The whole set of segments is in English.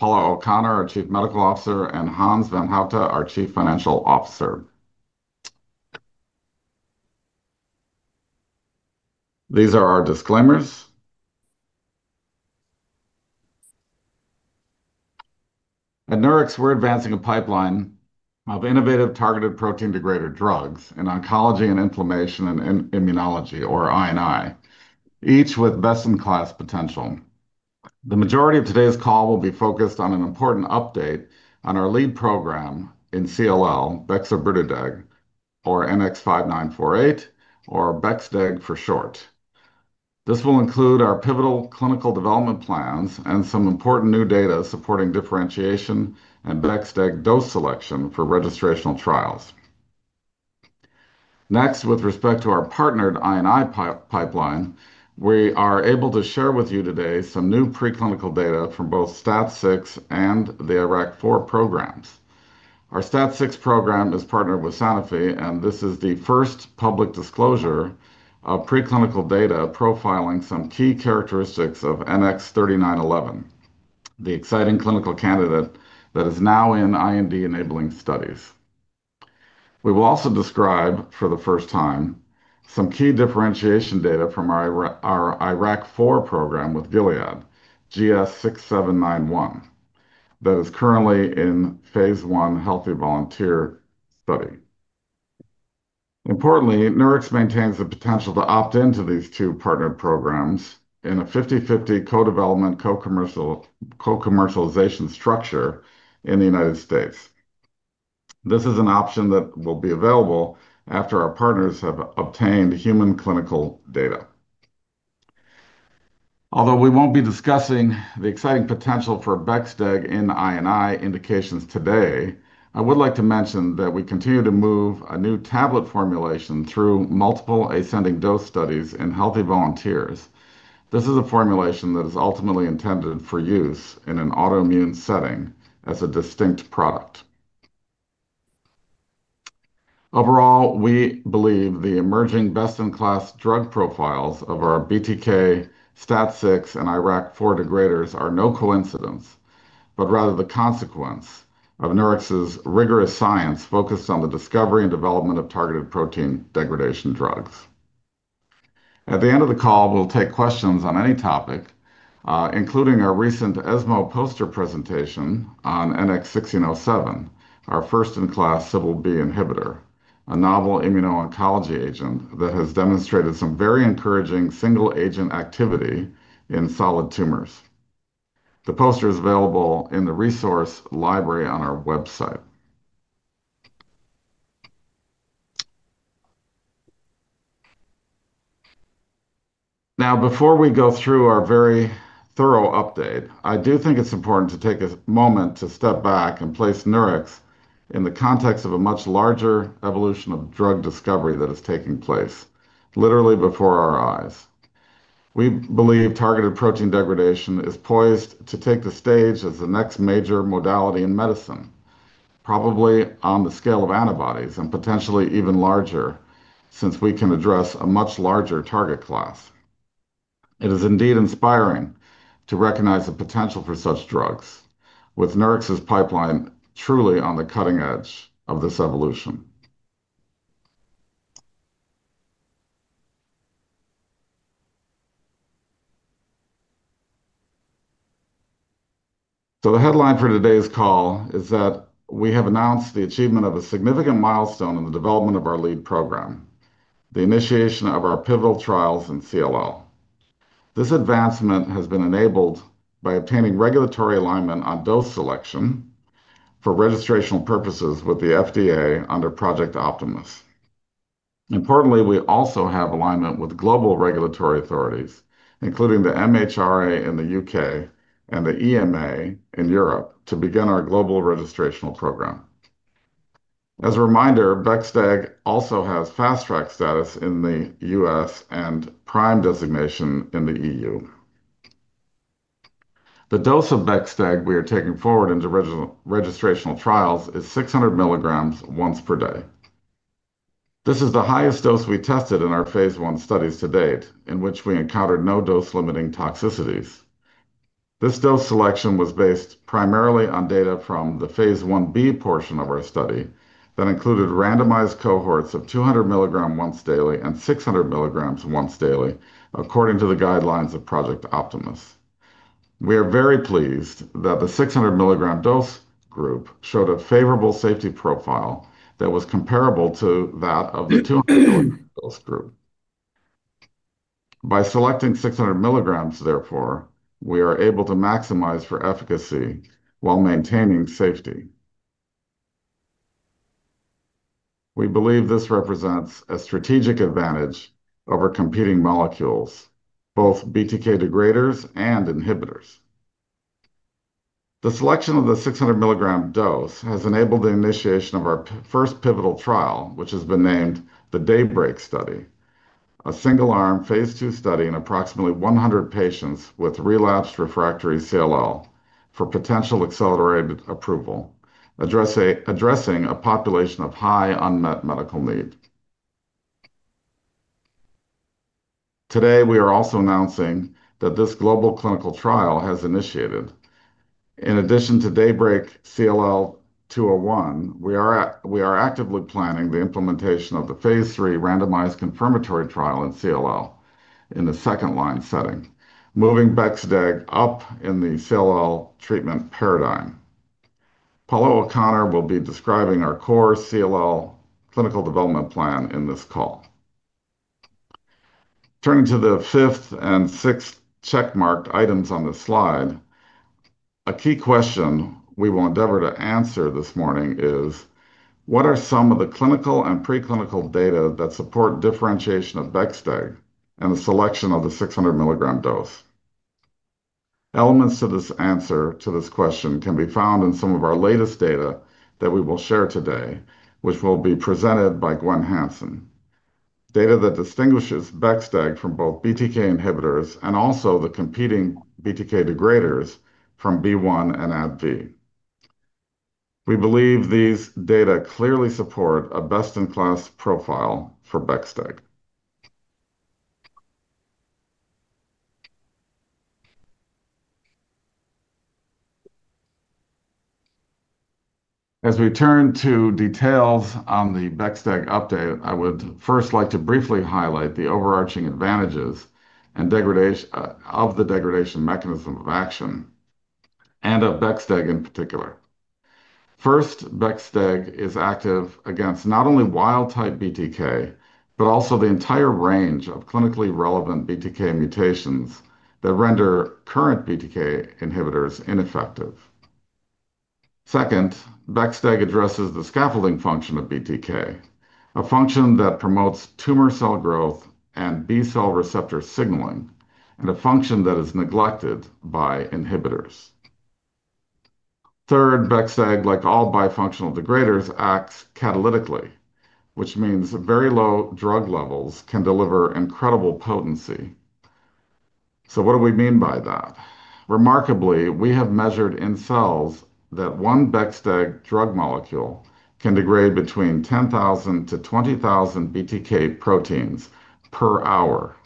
Paula O’Connor, our Chief Medical Officer, and Hans van Houte, our Chief Financial Officer. These are our disclaimers. At Nurix, we're advancing a pipeline of innovative targeted protein degrader drugs in oncology and inflammation and immunology, or INI, each with best-in-class potential. The majority of today's call will be focused on an important update on our lead program in CLL, Bexobrutideg, or NX-5948, or Bexdeg for short. This will include our pivotal clinical development plans and some important new data supporting differentiation and Bexdeg dose selection for registrational trials. Next, with respect to our partnered INI pipeline, we are able to share with you today some new preclinical data from both STAT-6 and the IRAK4 programs. Our STAT-6 program is partnered with Sanofi, and this is the first public disclosure of preclinical data profiling some key characteristics of NX-3911, the exciting clinical candidate that is now in IND-enabling studies. We will also describe, for the first time, some key differentiation data from our IRAK4 program with Gilead Sciences, GS-6791 that is currently in phase I healthy volunteer study. Importantly, Nurix maintains the potential to opt into these two partnered programs in a 50/50 co-development, co-commercialization structure in the U.S. This is an option that will be available after our partners have obtained human clinical data. Although we won't be discussing the exciting potential for Bexdeg in INI indications today, I would like to mention that we continue to move a new tablet formulation through multiple ascending dose studies in healthy volunteers. This is a formulation that is ultimately intended for use in an autoimmune setting as a distinct product. Overall, we believe the emerging best-in-class drug profiles of our BTK, STAT-6, and IRAK4 degraders are no coincidence, but rather the consequence of Nurix's rigorous science focused on the discovery and development of targeted protein degradation drugs. At the end of the call, we'll take questions on any topic, including our recent ESMO poster presentation on NX-1607, our first-in-class cIAP inhibitor, a novel immuno-oncology agent that has demonstrated some very encouraging single-agent activity in solid tumors. The poster is available in the resource library on our website. Now, before we go through our very thorough update, I do think it's important to take a moment to step back and place Nurix in the context of a much larger evolution of drug discovery that is taking place literally before our eyes. We believe targeted protein degradation is poised to take the stage as the next major modality in medicine, probably on the scale of antibodies and potentially even larger since we can address a much larger target class. It is indeed inspiring to recognize the potential for such drugs, with Nurix pipeline truly on the cutting edge of this evolution. The headline for today's call is that we have announced the achievement of a significant milestone in the development of our lead program, the initiation of our pivotal trials in CLL. This advancement has been enabled by obtaining regulatory alignment on dose selection for registrational purposes with the FDA under Project Optimus. Importantly, we also have alignment with global regulatory authorities, including the MHRA in the U.K. and the EMA in Europe, to begin our global registrational program. As a reminder, Bexdeg also has fast-track status in the U.S. and PRIME designation in the EU. The dose of Bexdeg we are taking forward into registrational trials is 600 mg once per day. This is the highest dose we tested in our phase I studies to date, in which we encountered no dose-limiting toxicities. This dose selection was based primarily on data from the phase I-B portion of our study that included randomized cohorts of 200 mg once daily and 600 mg once daily, according to the guidelines of Project Optimus. We are very pleased that the 600 mg dose group showed a favorable safety profile that was comparable to that of the 200 mg dose group. By selecting 600 mg, therefore, we are able to maximize for efficacy while maintaining safety. We believe this represents a strategic advantage over competing molecules, both BTK degraders and inhibitors. The selection of the 600 mg dose has enabled the initiation of our first pivotal trial, which has been named the Daybreak study, a single-arm, phase II study in approximately 100 patients with relapsed refractory CLL for potential accelerated approval, addressing a population of high unmet medical need. Today, we are also announcing that this global clinical trial has initiated. In addition to Daybreak CLL 201, we are actively planning the implementation of the phase III randomized confirmatory trial in CLL in the second-line setting, moving Bexdeg up in the CLL treatment paradigm. Paula O’Connor will be describing our core CLL clinical development plan in this call. Turning to the fifth and sixth checkmarked items on this slide, a key question we will endeavor to answer this morning is, what are some of the clinical and preclinical data that support differentiation of Bexdeg and the selection of the 600 mg dose? Elements to this answer to this question can be found in some of our latest data that we will share today, which will be presented by Gwenn Hansen, data that distinguishes Bexdeg from both BTK inhibitors and also the competing BTK degraders from B1 and ADV. We believe these data clearly support a best-in-class profile for Bexdeg. As we turn to details on the Bexdeg update, I would first like to briefly highlight the overarching advantages of the degradation mechanism of action and of Bexdeg in particular. First, Bexdeg is active against not only wild-type BTK, but also the entire range of clinically relevant BTK mutations that render current BTK inhibitors ineffective. Second, Bexdeg addresses the scaffolding function of BTK, a function that promotes tumor cell growth and B-cell receptor signaling, and a function that is neglected by inhibitors. Third, Bexdeg, like all bifunctional degraders, acts catalytically, which means very low drug levels can deliver incredible potency. What do we mean by that? Remarkably, we have measured in cells that one Bexdeg drug molecule can degrade between 10,000-20,000 BTK proteins per hour.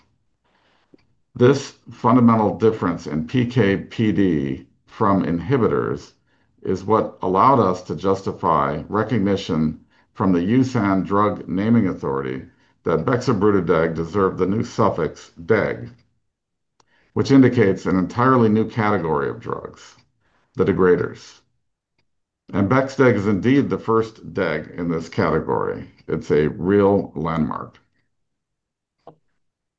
This fundamental difference in PK/PD from inhibitors is what allowed us to justify recognition from the USAN drug naming authority that Bexobrutideg deserved the new suffix deg, which indicates an entirely new category of drugs, the degraders. Bexdeg is indeed the first deg in this category. It's a real landmark.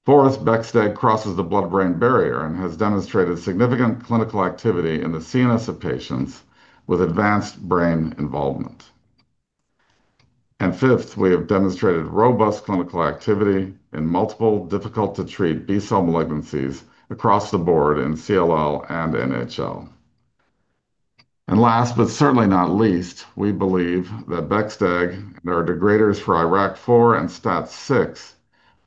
Fourth, Bexdeg crosses the blood-brain barrier and has demonstrated significant clinical activity in the CNS of patients with advanced brain involvement. Fifth, we have demonstrated robust clinical activity in multiple difficult-to-treat B-cell malignancies across the board in CLL and NHL. Last but certainly not least, we believe that Bexdeg and our degraders for IRAK4 and STAT6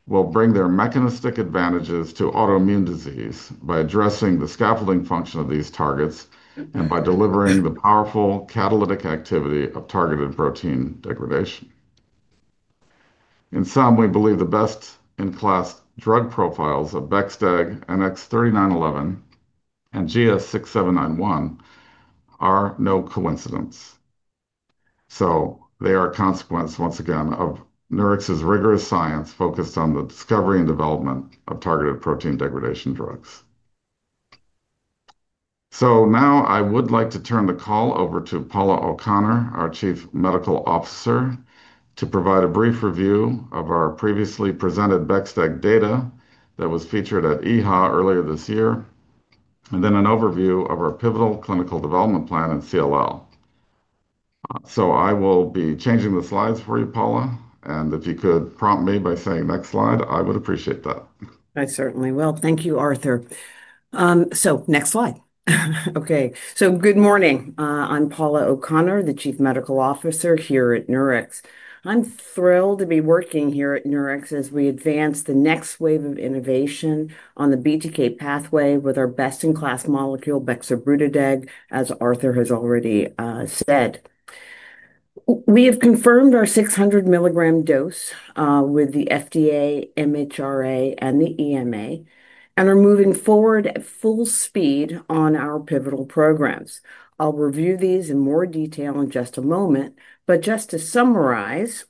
will bring their mechanistic advantages to autoimmune disease by addressing the scaffolding function of these targets and by delivering the powerful catalytic activity of targeted protein degradation. In sum, we believe the best-in-class drug profiles of Bexdeg, NX-3911, and GS-6791 are no coincidence. They are a consequence, once again, of Nurix's rigorous science focused on the discovery and development of targeted protein degradation drugs. Now I would like to turn the call over to Paula O’Connor, our Chief Medical Officer, to provide a brief review of our previously presented Bexdeg data that was featured at EHA earlier this year, and then an overview of our pivotal clinical development plan in CLL. I will be changing the slides for you, Paula, and if you could prompt me by saying next slide, I would appreciate that. I certainly will. Thank you, Arthur. Next slide. Good morning. I'm Paula O’Connor, the Chief Medical Officer here at Nurix. I'm thrilled to be working here at Nurix as we advance the next wave of innovation on the BTK pathway with our best-in-class molecule, Bexobrutideg, as Arthur has already said. We have confirmed our 600 mg dose with the FDA, MHRA, and the EMA, and are moving forward at full speed on our pivotal programs. I'll review these in more detail in just a moment, but just to summarize,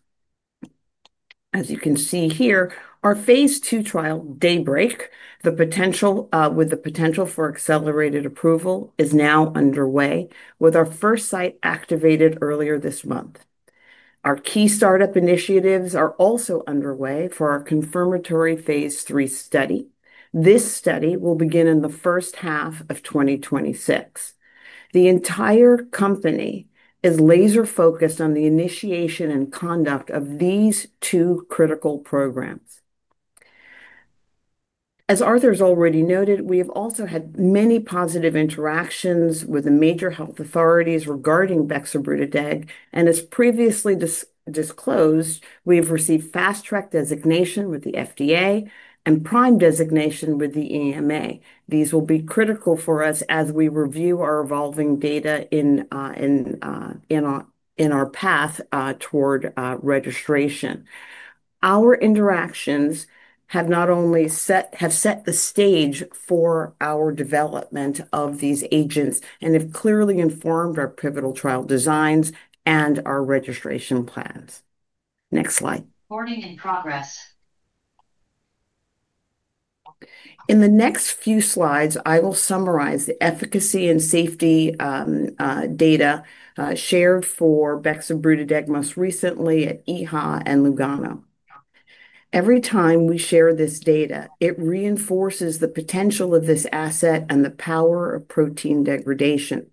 as you can see here, our phase II trial DAYBreak, with the potential for accelerated approval, is now underway, with our first site activated earlier this month. Our key startup initiatives are also underway for our confirmatory phase III study. This study will begin in the first half of 2026. The entire company is laser-focused on the initiation and conduct of these two critical programs. As Arthur has already noted, we have also had many positive interactions with the major health authorities regarding Bexobrutideg, and as previously disclosed, we have received fast-track designation with the FDA and PRIME designation with the EMA. These will be critical for us as we review our evolving data in our path toward registration. Our interactions have not only set the stage for our development of these agents and have clearly informed our pivotal trial designs and our registration plans. Next slide. Reporting in progress. In the next few slides, I will summarize the efficacy and safety data shared for Bexobrutideg most recently at EHA and Lugano. Every time we share this data, it reinforces the potential of this asset and the power of protein degradation.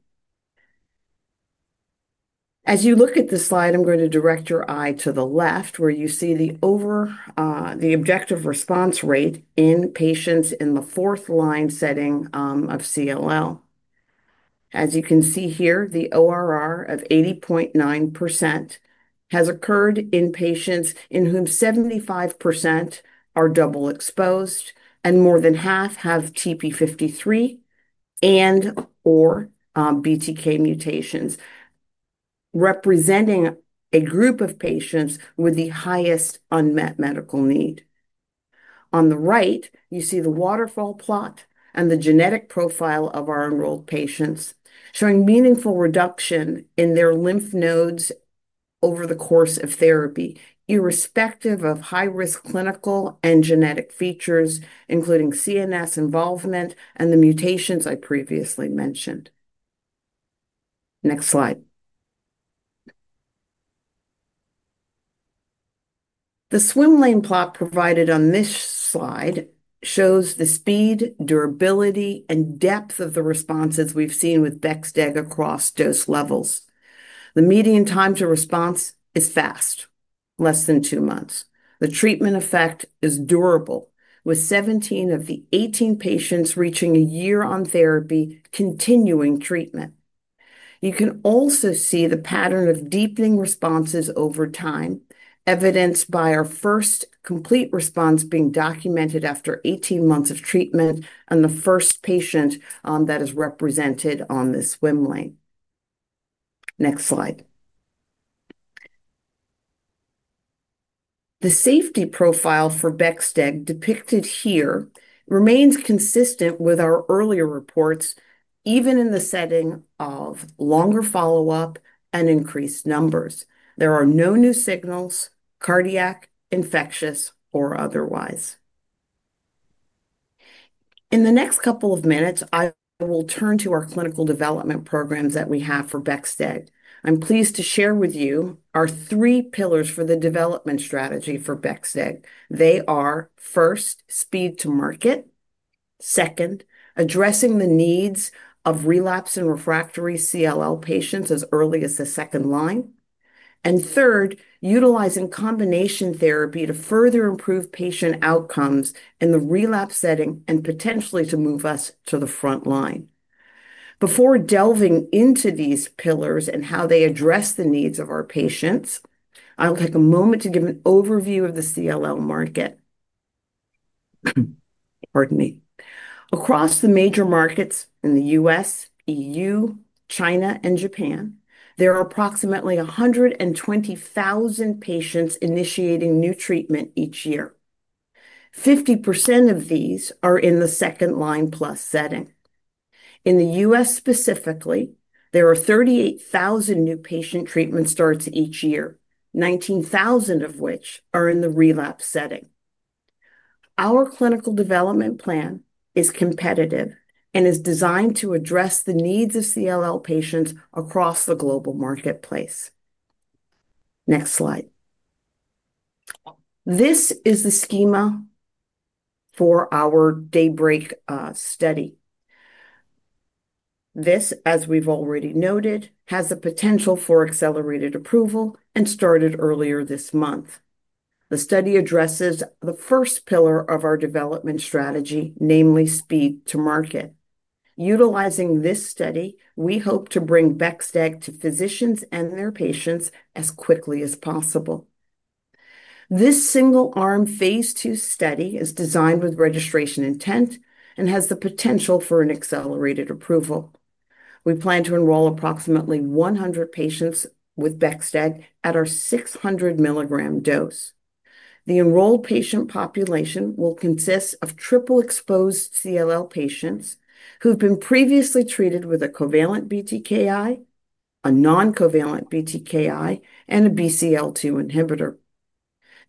As you look at the slide, I'm going to direct your eye to the left, where you see the objective response rate in patients in the fourth-line setting of CLL. As you can see here, the ORR of 80.9% has occurred in patients in whom 75% are double exposed and more than half have TP53 and/or BTK mutations, representing a group of patients with the highest unmet medical need. On the right, you see the waterfall plot and the genetic profile of our enrolled patients, showing meaningful reduction in their lymph nodes over the course of therapy, irrespective of high-risk clinical and genetic features, including CNS involvement and the mutations I previously mentioned. Next slide. The swim lane plot provided on this slide shows the speed, durability, and depth of the responses we've seen with Bexdeg across dose levels. The median time to response is fast, less than two months. The treatment effect is durable, with 17 of the 18 patients reaching a year on therapy continuing treatment. You can also see the pattern of deepening responses over time, evidenced by our first complete response being documented after 18 months of treatment on the first patient that is represented on this swim lane. Next slide. The safety profile for Bexdeg depicted here remains consistent with our earlier reports, even in the setting of longer follow-up and increased numbers. There are no new signals, cardiac, infectious, or otherwise. In the next couple of minutes, I will turn to our clinical development programs that we have for Bexdeg. I'm pleased to share with you our three pillars for the development strategy for Bexdeg. They are, first, Speed to market; second, Addressing the needs of relapsed and refractory CLL patients as early as the second line; and third, Utilizing combination therapy to further improve patient outcomes in the relapse setting and potentially to move us to the front line. Before delving into these pillars and how they address the needs of our patients, I'll take a moment to give an overview of the CLL market. Pardon me. Across the major markets in the U.S., EU, China, and Japan, there are approximately 120,000 patients initiating new treatment each year. 50% of these are in the second line plus setting. In the U.S. specifically, there are 38,000 new patient treatment starts each year, 19,000 of which are in the relapse setting. Our clinical development plan is competitive and is designed to address the needs of CLL patients across the global marketplace. Next slide. This is the schema for our DAYBreak study. This, as we've already noted, has the potential for accelerated approval and started earlier this month. The study addresses the first pillar of our development strategy, namely speed to market. Utilizing this study, we hope to bring Bexdeg to physicians and their patients as quickly as possible. This single-arm, phase II study is designed with registration intent and has the potential for an accelerated approval. We plan to enroll approximately 100 patients with Bexdeg at our 600 mg dose. The enrolled patient population will consist of triple-exposed CLL patients who've been previously treated with a covalent BTKI, a non-covalent BTKI, and a BCL2 inhibitor.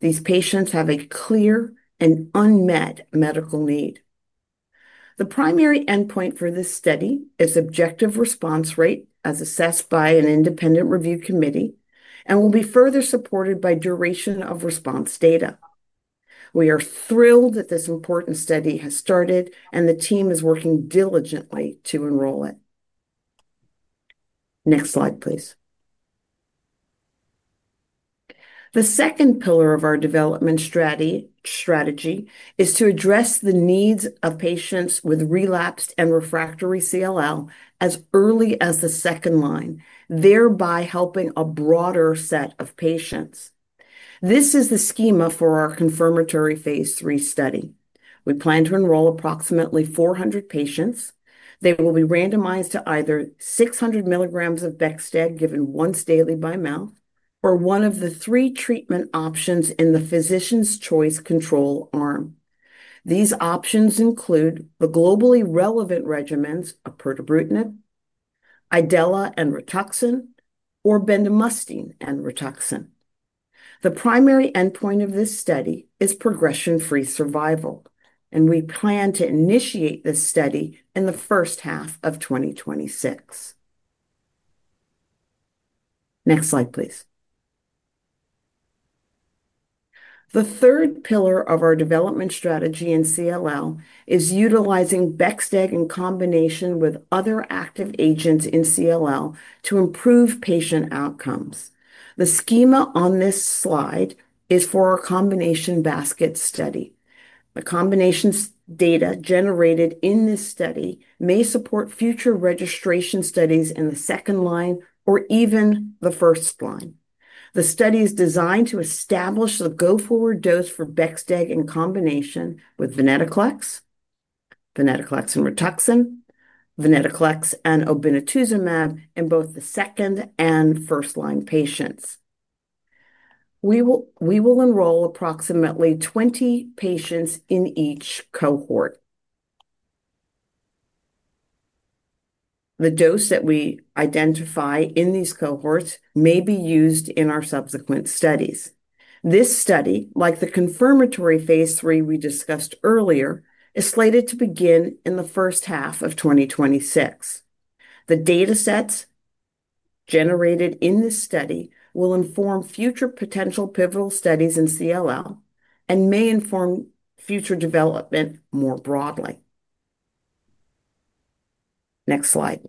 These patients have a clear and unmet medical need. The primary endpoint for this study is objective response rate, as assessed by an independent review committee, and will be further supported by duration of response data. We are thrilled that this important study has started, and the team is working diligently to enroll it. Next slide, please. The second pillar of our development strategy is to address the needs of patients with relapsed and refractory CLL as early as the second line, thereby helping a broader set of patients. This is the schema for our confirmatory phase III study. We plan to enroll approximately 400 patients. They will be randomized to either 600 mg of Bexdeg given once daily by mouth or one of the three treatment options in the physician's choice control arm. These options include the globally relevant regimens of Pirtobrutinib, Idela, and Rituxan, or Bendamustine and Rituxan. The primary endpoint of this study is progression-free survival, and we plan to initiate this study in the first half of 2026. Next slide, please. The third pillar of our development strategy in CLL is utilizing Bexdeg in combination with other active agents in CLL to improve patient outcomes. The schema on this slide is for our combination basket study. The combination data generated in this study may support future registration studies in the second line or even the first line. The study is designed to establish the go-forward dose for Bexdeg in combination with venetoclax, venetoclax and Rituxan, venetoclax and obinutuzumab in both the second and first-line patients. We will enroll approximately 20 patients in each cohort. The dose that we identify in these cohorts may be used in our subsequent studies. This study, like the confirmatory phase III we discussed earlier, is slated to begin in the first half of 2026. The datasets generated in this study will inform future potential pivotal studies in CLL and may inform future development more broadly. Next slide.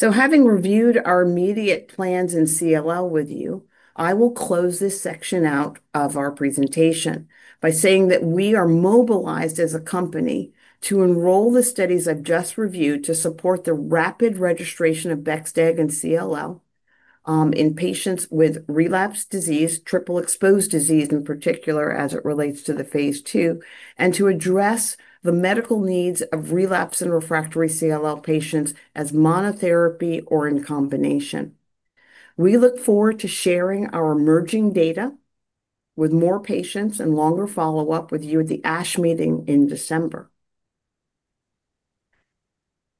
Having reviewed our immediate plans in CLL with you, I will close this section out of our presentation by saying that we are mobilized as a company to enroll the studies I've just reviewed to support the rapid registration of Bexdeg in CLL in patients with relapsed disease, triple-exposed disease in particular as it relates to the phase II, and to address the medical needs of relapsed and refractory CLL patients as monotherapy or in combination. We look forward to sharing our emerging data with more patients and longer follow-up with you at the ASH meeting in December.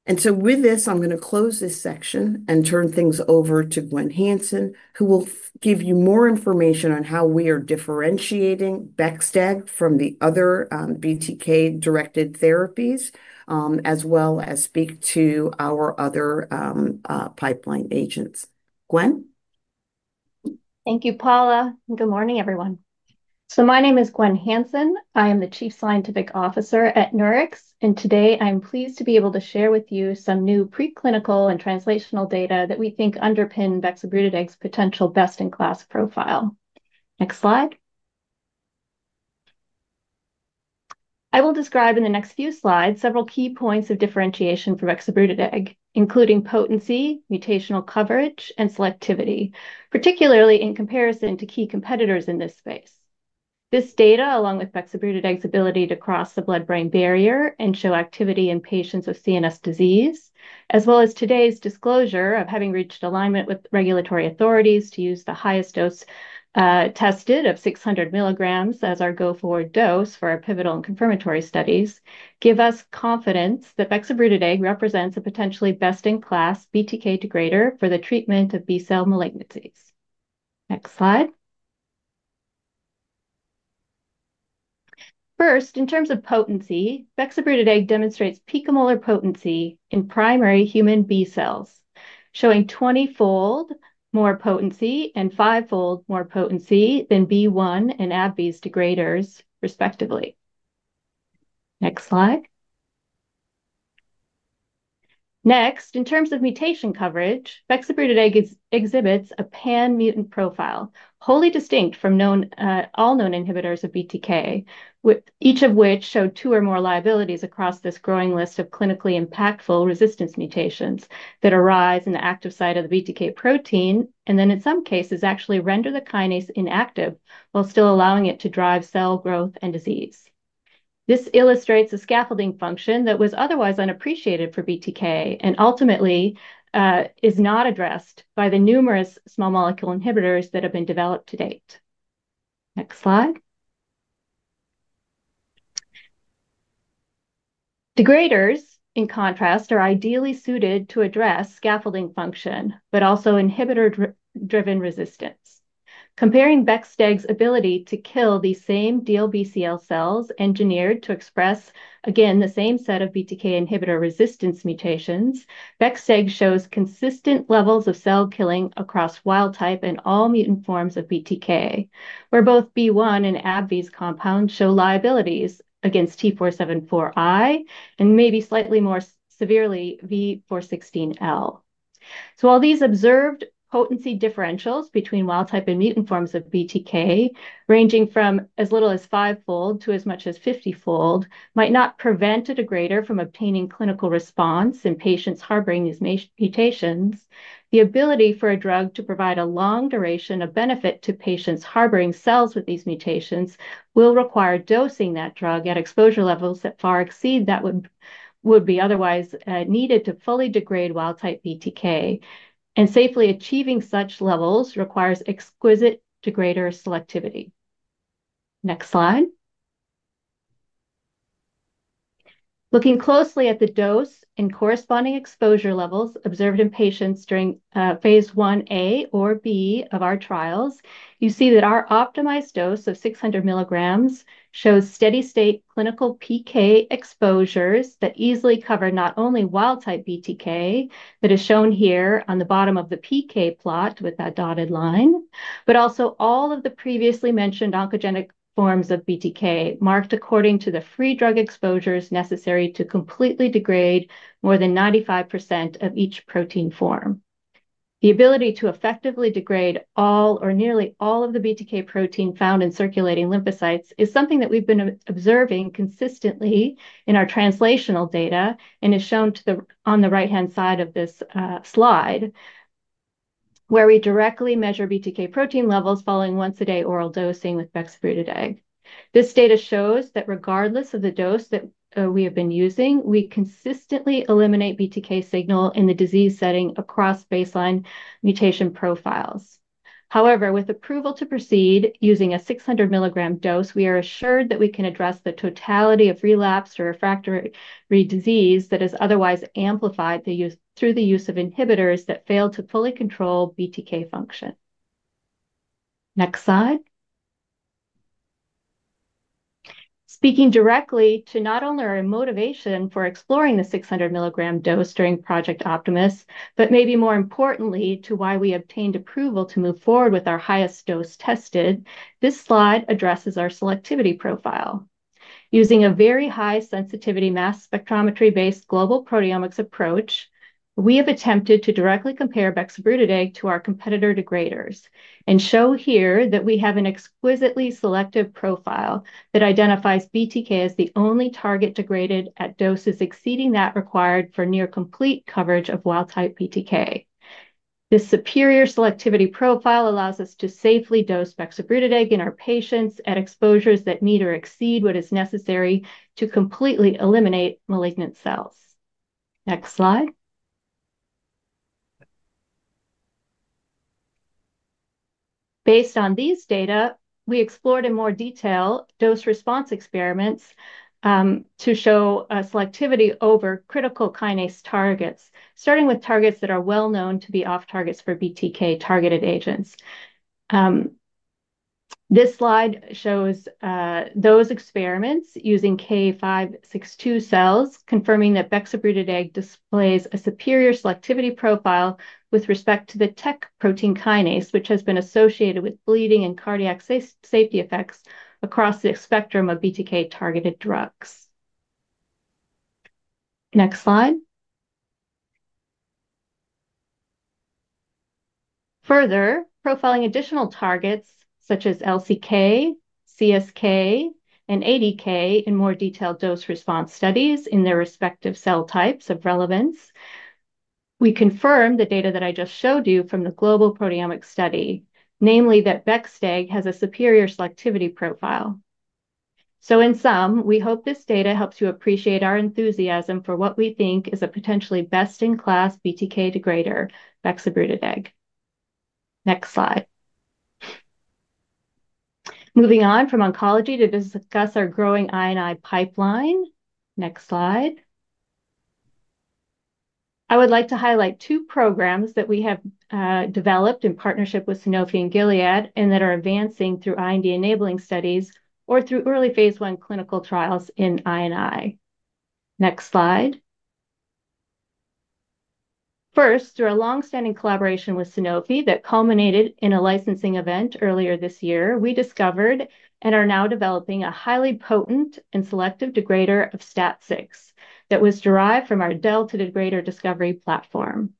With this, I'm going to close this section and turn things over to Gwenn Hansen, who will give you more information on how we are differentiating Bexdeg from the other BTK-directed therapies, as well as speak to our other pipeline agents. Gwenn? Thank you, Paula. Good morning, everyone. My name is Gwenn Hansen. I am the Chief Scientific Officer at Nurix, and today I'm pleased to be able to share with you some new preclinical and translational data that we think underpin Bexobrutideg's potential best-in-class profile. Next slide. I will describe in the next few slides several key points of differentiation for Bexobrutideg, including potency, mutational coverage, and selectivity, particularly in comparison to key competitors in this space. This data, along with Bexobrutideg's ability to cross the blood-brain barrier and show activity in patients with CNS disease, as well as today's disclosure of having reached alignment with regulatory authorities to use the highest dose tested of 600 mg as our go-forward dose for our pivotal and confirmatory studies, give us confidence that Bexobrutideg represents a potentially best-in-class BTK degrader for the treatment of B-cell malignancies. Next slide. First, in terms of potency, Bexobrutideg demonstrates peak molar potency in primary human B cells, showing 20-fold more potency and five-fold more potency than B1 and ADV degraders, respectively. Next slide. Next, in terms of mutation coverage, Bexobrutideg exhibits a pan-mutant profile, wholly distinct from all known inhibitors of BTK, each of which show two or more liabilities across this growing list of clinically impactful resistance mutations that arise in the active site of the BTK protein, and then in some cases actually render the kinase inactive while still allowing it to drive cell growth and disease. This illustrates a scaffolding function that was otherwise unappreciated for BTK and ultimately is not addressed by the numerous small molecule inhibitors that have been developed to date. Next slide. Degraders, in contrast, are ideally suited to address scaffolding function, but also inhibitor-driven resistance. Comparing Bexdeg's ability to kill the same DLBCL cells engineered to express, again, the same set of BTK inhibitor resistance mutations, Bexdeg shows consistent levels of cell killing across wild type and all mutant forms of BTK, where both B1 and ADV compounds show liabilities against T474I and maybe slightly more severely V416L. While these observed potency differentials between wild type and mutant forms of BTK, ranging from as little as five-fold to as much as 50-fold, might not prevent a degrader from obtaining clinical response in patients harboring these mutations, the ability for a drug to provide a long duration of benefit to patients harboring cells with these mutations will require dosing that drug at exposure levels that far exceed that which would be otherwise needed to fully degrade wild type BTK, and safely achieving such levels requires exquisite degrader selectivity. Next slide. Looking closely at the dose and corresponding exposure levels observed in patients during phase I-A or B of our trials, you see that our optimized dose of 600 mg shows steady-state clinical PK exposures that easily cover not only wild type BTK, that is shown here on the bottom of the PK plot with that dotted line, but also all of the previously mentioned oncogenic forms of BTK marked according to the free drug exposures necessary to completely degrade more than 95% of each protein form. The ability to effectively degrade all or nearly all of the BTK protein found in circulating lymphocytes is something that we've been observing consistently in our translational data and is shown on the right-hand side of this slide, where we directly measure BTK protein levels following once-a-day oral dosing with Bexobrutideg. This data shows that regardless of the dose that we have been using, we consistently eliminate BTK signal in the disease setting across baseline mutation profiles. However, with approval to proceed using a 600 mg dose, we are assured that we can address the totality of relapsed or refractory disease that has otherwise amplified through the use of inhibitors that fail to fully control BTK function. Next slide. Speaking directly to not only our motivation for exploring the 600 mg dose during Project Optimus, but maybe more importantly to why we obtained approval to move forward with our highest dose tested, this slide addresses our selectivity profile. Using a very high sensitivity mass spectrometry-based global proteomics approach, we have attempted to directly compare Bexobrutideg to our competitor degraders and show here that we have an exquisitely selective profile that identifies BTK as the only target degraded at doses exceeding that required for near-complete coverage of wild type BTK. This superior selectivity profile allows us to safely dose Bexobrutideg in our patients at exposures that meet or exceed what is necessary to completely eliminate malignant cells. Next slide. Based on these data, we explored in more detail dose response experiments to show selectivity over critical kinase targets, starting with targets that are well known to be off-targets for BTK targeted agents. This slide shows those experiments using K562 cells, confirming that Bexobrutideg displays a superior selectivity profile with respect to the TEC protein kinase, which has been associated with bleeding and cardiac safety effects across the spectrum of BTK targeted drugs. Next slide. Further, profiling additional targets such as LCK, CSK, and ADK in more detailed dose response studies in their respective cell types of relevance, we confirmed the data that I just showed you from the global proteomics study, namely that Bexdeg has a superior selectivity profile. In sum, we hope this data helps you appreciate our enthusiasm for what we think is a potentially best-in-class BTK Degrader, Bexobrutideg. Next slide. Moving on from oncology to discuss our growing INI pipeline. Next slide. I would like to highlight two programs that we have developed in partnership with Sanofi and Gilead and that are advancing through IND-enabling studies or through early phase I clinical trials in INI. Next slide. First, through a longstanding collaboration with Sanofi that culminated in a licensing event earlier this year, we discovered and are now developing a highly potent and selective degrader of STAT6 that was derived from our Degrader Discovery platform.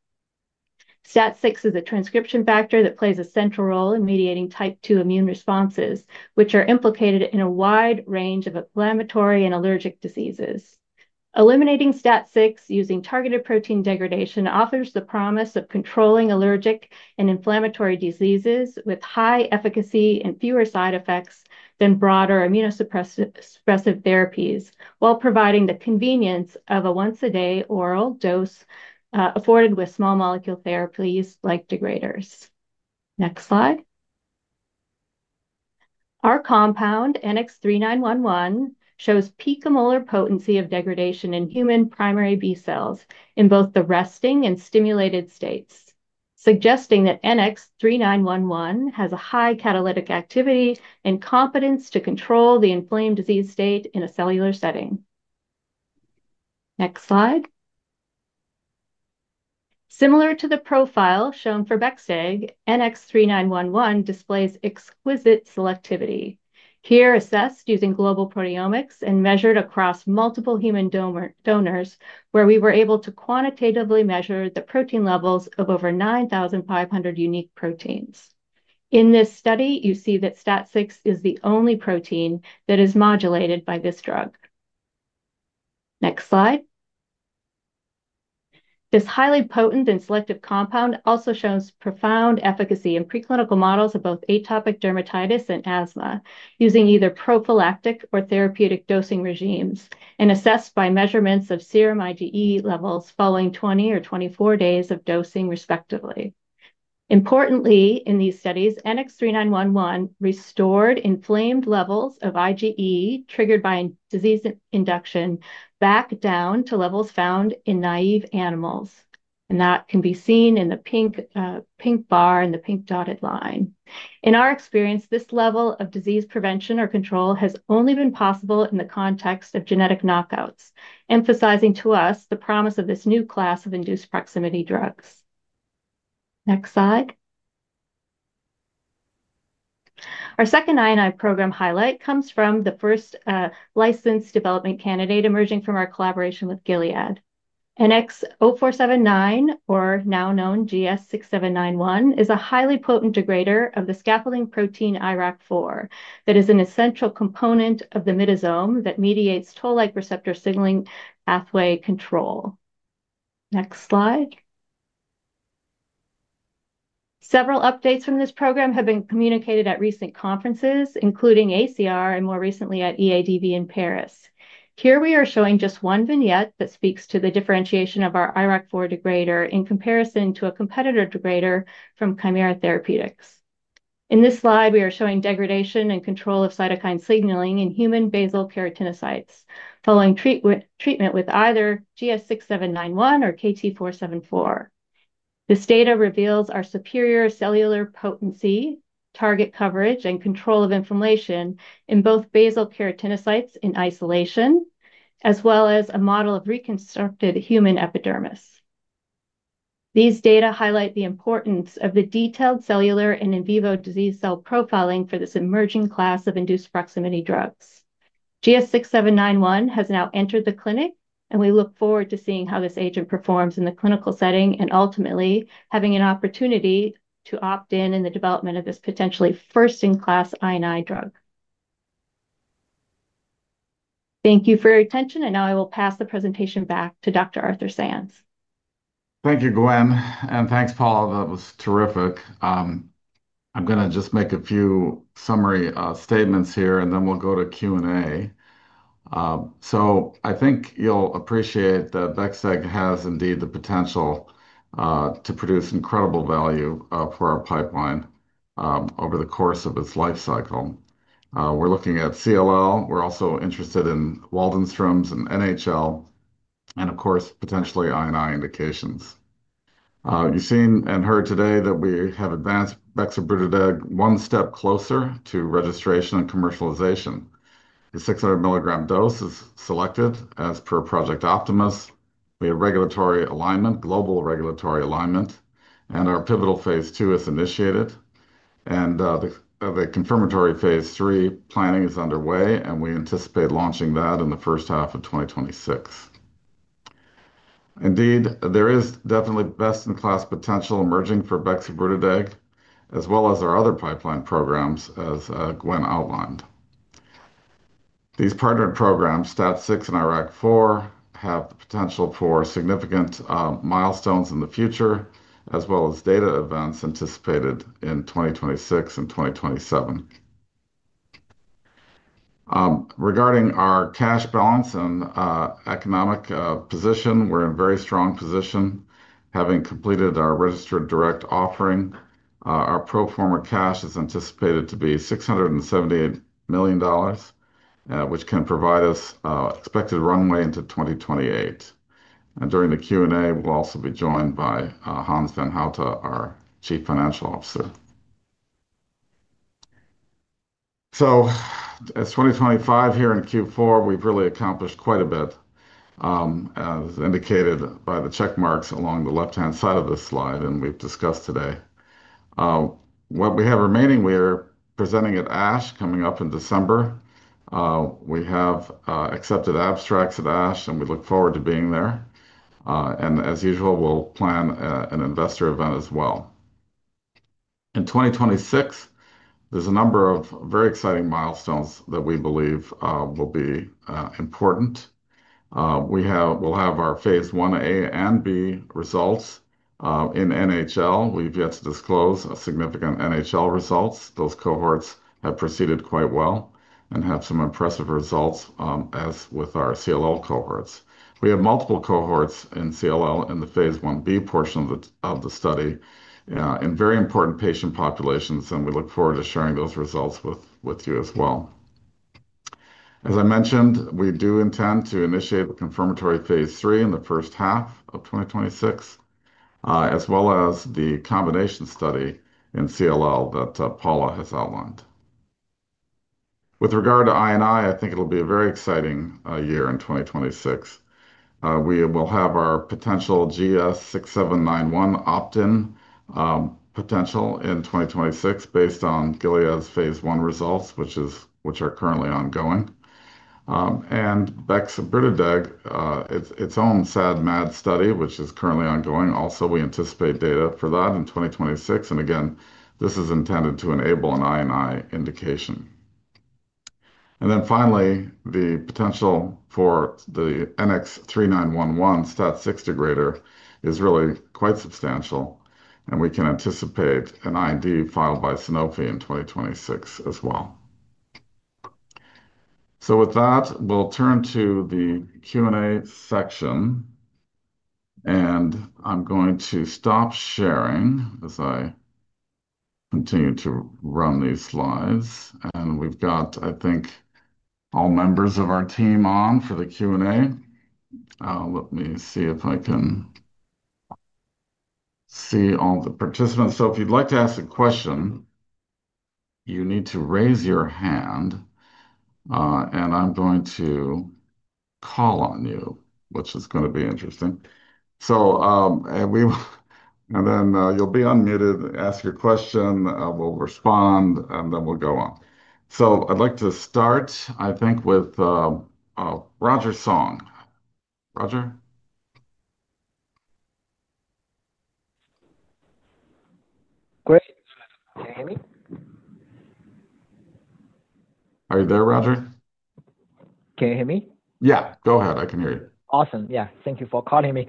STAT6 is a transcription factor that plays a central role in mediating type 2 immune responses, which are implicated in a wide range of inflammatory and allergic diseases. Eliminating STAT6 using targeted protein degradation offers the promise of controlling allergic and inflammatory diseases with high efficacy and fewer side effects than broader immunosuppressive therapies, while providing the convenience of a once-a-day oral dose afforded with small molecule therapies like degraders. Next slide. Our compound, NX-3911, shows peak molar potency of degradation in human primary B cells in both the resting and stimulated states, suggesting that NX-3911 has a high catalytic activity and competence to control the inflamed disease state in a cellular setting. Next slide. Similar to the profile shown for Bexdeg, NX-3911 displays exquisite selectivity, here assessed using global proteomics and measured across multiple human donors, where we were able to quantitatively measure the protein levels of over 9,500 unique proteins. In this study, you see that STAT6 is the only protein that is modulated by this drug. Next slide. This highly potent and selective compound also shows profound efficacy in preclinical models of both atopic dermatitis and asthma, using either prophylactic or therapeutic dosing regimens and assessed by measurements of serum IgE levels following 20 or 24 days of dosing, respectively. Importantly, in these studies, NX-3911 restored inflamed levels of IgE triggered by disease induction back down to levels found in naive animals, and that can be seen in the pink bar and the pink dotted line. In our experience, this level of disease prevention or control has only been possible in the context of genetic knockouts, emphasizing to us the promise of this new class of induced proximity drugs. Next slide. Our second INI program highlight comes from the first licensed development candidate emerging from our collaboration with Gilead. NX-0479, or now known as GS-6791, is a highly potent degrader of the scaffolding protein IRAK4 that is an essential component of the myddosome that mediates toll-like receptor signaling pathway control. Next slide. Several updates from this program have been communicated at recent conferences, including ACR and more recently at EADV in Paris. Here we are showing just one vignette that speaks to the differentiation of our IRAK4 degrader in comparison to a competitor degrader from Chimera Therapeutics. In this slide, we are showing degradation and control of cytokine signaling in human basal keratinocytes following treatment with either GS-6791 or KT-474. This data reveals our superior cellular potency, target coverage, and control of inflammation in both basal keratinocytes in isolation, as well as a model of reconstructed human epidermis. These data highlight the importance of the detailed cellular and in vivo disease cell profiling for this emerging class of induced proximity drugs. GS-6791 has now entered the clinic, and we look forward to seeing how this agent performs in the clinical setting and ultimately having an opportunity to opt in in the development of this potentially first-in-class INI drug. Thank you for your attention, and now I will pass the presentation back to Dr. Arthur Sands. Thank you, Gwenn, and thanks, Paula. That was terrific. I'm going to just make a few summary statements here, and then we'll go to Q&A. I think you'll appreciate that Bexdeg has indeed the potential to produce incredible value for our pipeline over the course of its lifecycle. We're looking at CLL. We're also interested in Waldenstrom's and NHL, and of course, potentially INI indications. You've seen and heard today that we have advanced Bexobrutideg one step closer to registration and commercialization. The 600 mg dose is selected as per Project Optimus. We have regulatory alignment, global regulatory alignment, and our pivotal phase II is initiated, and the confirmatory phase III planning is underway, and we anticipate launching that in the first half of 2026. Indeed, there is definitely best-in-class potential emerging for Bexobrutideg, as well as our other pipeline programs as Gwenn outlined. These partnered programs, STAT6 and IRAK4, have the potential for significant milestones in the future, as well as data events anticipated in 2026 and 2027. Regarding our cash balance and economic position, we're in a very strong position, having completed our registered direct offering. Our pro forma cash is anticipated to be $678 million, which can provide us expected runway into 2028. During the Q&A, we'll also be joined by Hans van Houte, our Chief Financial Officer. As 2025 here in Q4, we've really accomplished quite a bit, as indicated by the check marks along the left-hand side of this slide and we've discussed today. What we have remaining we are presenting at ASH coming up in December. We have accepted abstracts at ASH, and we look forward to being there. As usual, we'll plan an investor event as well. In 2026, there's a number of very exciting milestones that we believe will be important. We'll have our phase I-A and B results in NHL. We've yet to disclose significant NHL results. Those cohorts have proceeded quite well and have some impressive results, as with our CLL cohorts. We have multiple cohorts in CLL in the phase I-B portion of the study in very important patient populations, and we look forward to sharing those results with you as well. As I mentioned, we do intend to initiate a confirmatory phase III in the first half of 2026, as well as the combination study in CLL that Paula has outlined. With regard to INI, I think it'll be a very exciting year in 2026. We will have our potential GS-6791 opt-in potential in 2026 based on Gilead's phase I results, which are currently ongoing. Bexobrutideg, its own SAD-MAD study, is currently ongoing. We anticipate data for that in 2026, and this is intended to enable an IND indication. The potential for the NX-3911 STAT6 degrader is really quite substantial, and we can anticipate an IND filed by Sanofi in 2026 as well. With that, we'll turn to the Q&A section, and I'm going to stop sharing as I continue to run these slides. We've got, I think, all members of our team on for the Q&A. Let me see if I can see all the participants. If you'd like to ask a question, you need to raise your hand, and I'm going to call on you, which is going to be interesting. You'll be unmuted, ask your question, we'll respond, and then we'll go on. I'd like to start, I think, with Roger Song. Roger? Great. Can you hear me? Are you there, Roger? Can you hear me? Yeah, go ahead. I can hear you. Awesome. Thank you for calling me.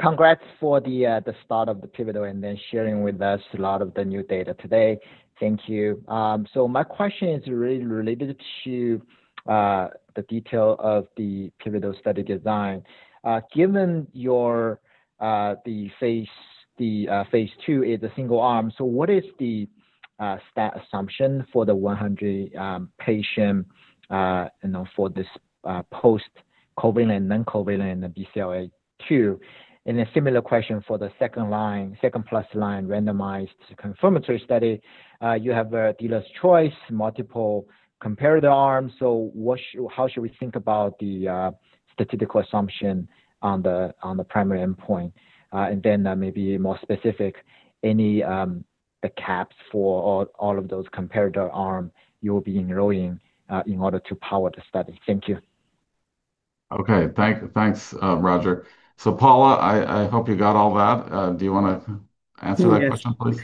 Congrats for the start of the pivotal and then sharing with us a lot of the new data today. Thank you. My question is really related to the detail of the pivotal study design. Given your phase II, it's a single arm, what is the STAT assumption for the 100 patient for this post-covalent and non-covalent BCL2? A similar question for the second line, second plus line randomized confirmatory study. You have a dealer's choice, multiple comparator arms. How should we think about the statistical assumption on the primary endpoint? Maybe more specific, any caps for all of those comparator arms you will be enrolling in order to power the study? Thank you. Okay. Thanks, Roger. Paula, I hope you got all that. Do you want to answer that question, please?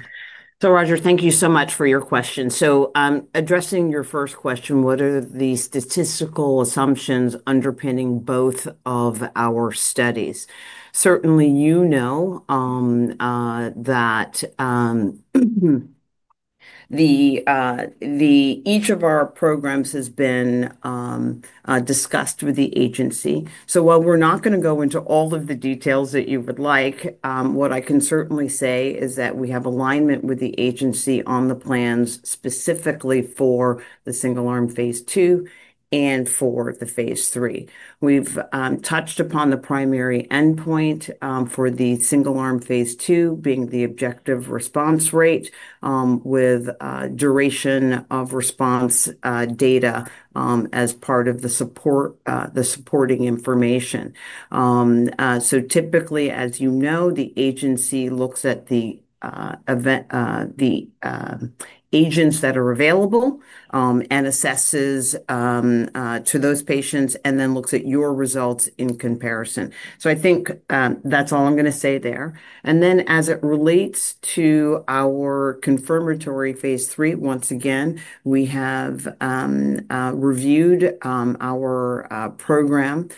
Roger, thank you so much for your question. Addressing your first question, what are the statistical assumptions underpinning both of our studies? Certainly, you know that each of our programs has been discussed with the agency. While we're not going to go into all of the details that you would like, what I can certainly say is that we have alignment with the agency on the plans specifically for the single arm phase II and for the phase III. We've touched upon the primary endpoint for the single arm phase II being the objective response rate with duration of response data as part of the supporting information. Typically, as you know, the agency looks at the agents that are available and assesses to those patients and then looks at your results in comparison. I think that's all I'm going to say there. As it relates to our confirmatory phase III, once again, we have reviewed our program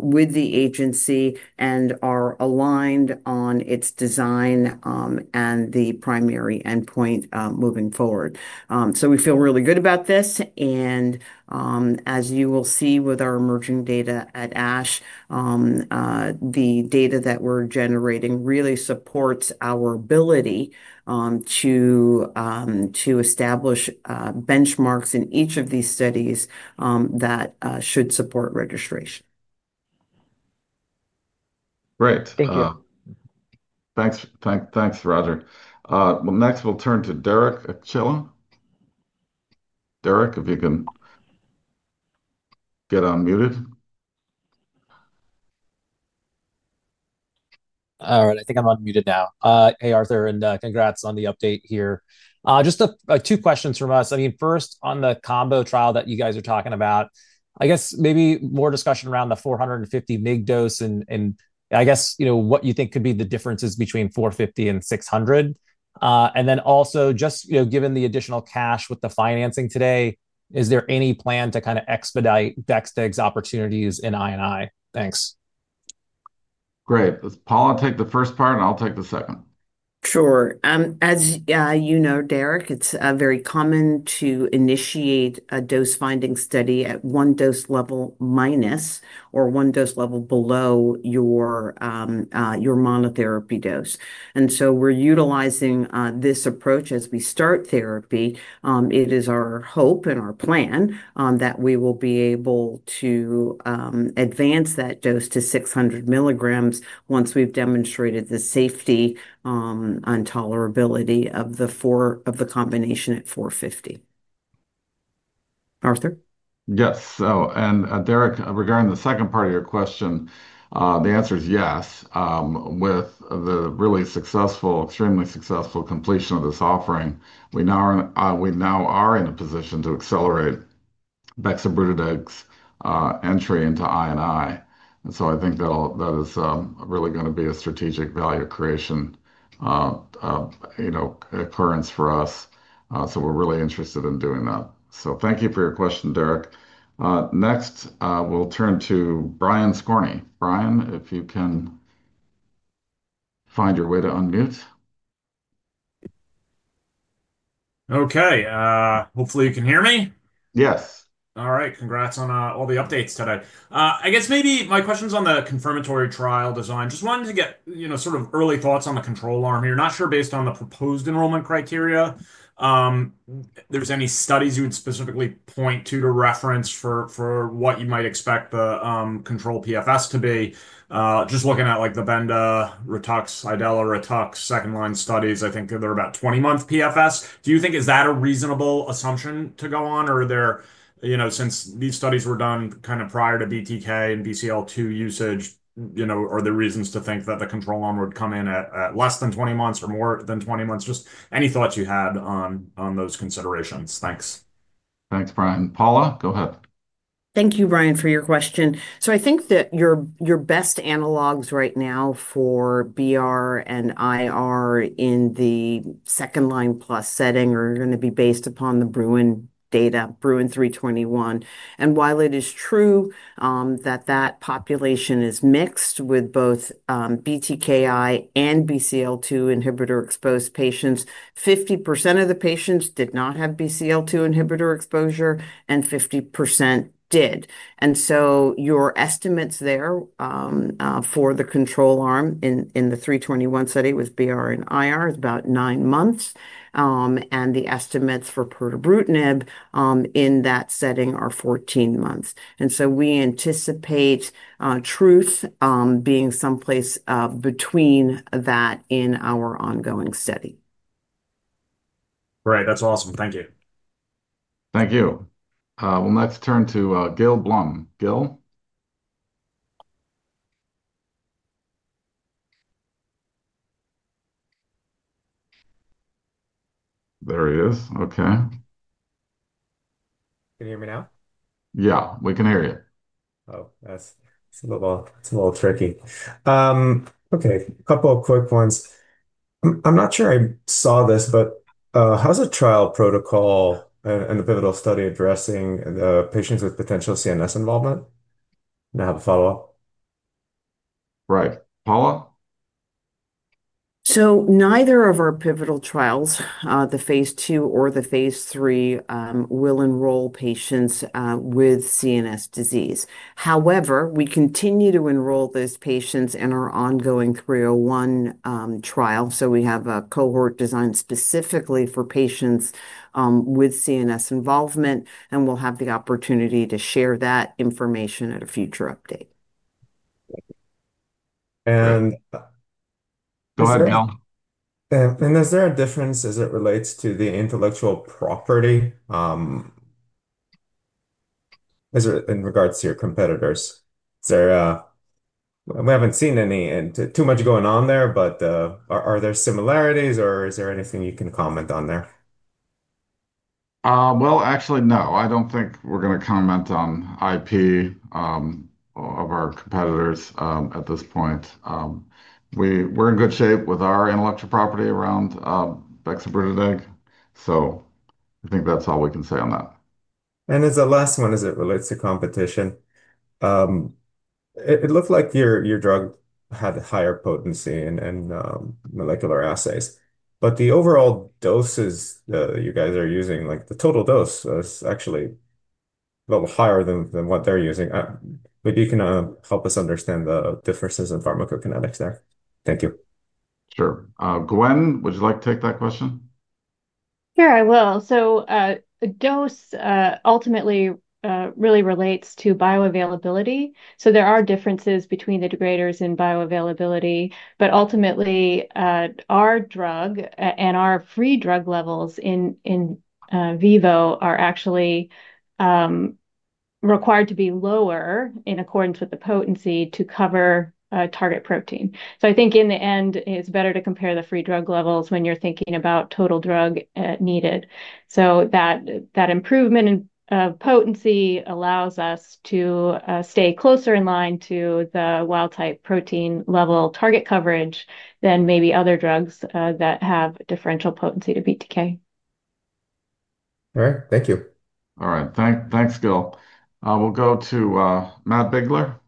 with the agency and are aligned on its design and the primary endpoint moving forward. We feel really good about this. As you will see with our emerging data at ASH, the data that we're generating really supports our ability to establish benchmarks in each of these studies that should support registration. Great. Thank you. Thanks, Roger. Next, we'll turn to Derek Archila. Derek, if you can get unmuted. All right, I think I'm unmuted now. Hey, Arthur, and congrats on the update here. Just two questions from us. First, on the combo trial that you guys are talking about, maybe more discussion around the 450 mg dose and what you think could be the differences between 450 and 600. Also, given the additional cash with the financing today, is there any plan to kind of expedite Bexdeg's opportunities in IND? Thanks. Great. Let Paula take the first part and I'll take the second. Sure. As you know, Derek, it's very common to initiate a dose finding study at one dose level minus or one dose level below your monotherapy dose. We're utilizing this approach as we start therapy. It is our hope and our plan that we will be able to advance that dose to 600 mg once we've demonstrated the safety and tolerability of the combination at 450. Arthur? Yes, and Derek, regarding the second part of your question, the answer is yes. With the really successful, extremely successful completion of this offering, we now are in a position to accelerate Bexobrutideg's entry into IND. I think that is really going to be a strategic value creation occurrence for us. We're really interested in doing that. Thank you for your question, Derek. Next, we'll turn to Brian Skorney. Brian, if you can find your way to unmute. Okay, hopefully you can hear me. Yes. All right. Congrats on all the updates today. I guess maybe my question's on the confirmatory trial design. Just wanted to get, you know, sort of early thoughts on the control arm. You're not sure based on the proposed enrollment criteria if there's any studies you would specifically point to to reference for what you might expect the control PFS to be. Just looking at like the benda, Ritux, Idela, Ritux, second line studies, I think they're about 20-month PFS. Do you think is that a reasonable assumption to go on, or are there, you know, since these studies were done kind of prior to BTK and BCL2 usage, you know, are there reasons to think that the control arm would come in at less than 20 months or more than 20 months? Just any thoughts you had on those considerations. Thanks. Thanks, Brian. Paula, go ahead. Thank you, Brian, for your question. I think that your best analogs right now for BR and IR in the second-line plus setting are going to be based upon the Bruin data, Bruin 321. While it is true that that population is mixed with both BTK inhibitor and BCL2 inhibitor-exposed patients, 50% of the patients did not have BCL2 inhibitor exposure and 50% did. Your estimates there for the control arm in the 321 study with BR and IR is about nine months, and the estimates for pirtobrutinib in that setting are 14 months. We anticipate truth being someplace between that in our ongoing study. Right. That's awesome. Thank you. Thank you. Next, turn to Gil Blum. Gil? There he is. Okay. Can you hear me now? Yeah, we can hear you. That's a little tricky. Okay, a couple of quick ones. I'm not sure I saw this, but how's the trial protocol in the pivotal study addressing the patients with potential CNS involvement? I have a follow-up. Right. Paula? Neither of our pivotal trials, the phase II or the phase III, will enroll patients with CNS disease. However, we continue to enroll those patients in our ongoing 301 trial. We have a cohort designed specifically for patients with CNS involvement, and we'll have the opportunity to share that information at a future update. Go ahead, Gil. Is there a difference as it relates to the intellectual property in regards to your competitors? We haven't seen any too much going on there, but are there similarities, or is there anything you can comment on there? Actually, no. I don't think we're going to comment on IP of our competitors at this point. We're in good shape with our intellectual property around Bexobrutideg. I think that's all we can say on that. As the last one, as it relates to competition, it looked like your drug had higher potency in molecular assays. The overall doses that you guys are using, like the total dose, is actually a little higher than what they're using. Maybe you can help us understand the differences in pharmacokinetics there. Thank you. Sure. Gwenn, would you like to take that question? I will. A dose ultimately really relates to bioavailability. There are differences between the degraders and bioavailability. Ultimately, our drug and our free drug levels in vivo are actually required to be lower in accordance with the potency to cover target protein. I think in the end, it's better to compare the free drug levels when you're thinking about total drug needed. That improvement in potency allows us to stay closer in line to the wild type protein level target coverage than maybe other drugs that have differential potency to BTK. All right. Thank you. All right. Thanks, Gail. We'll go to Matt Bigler.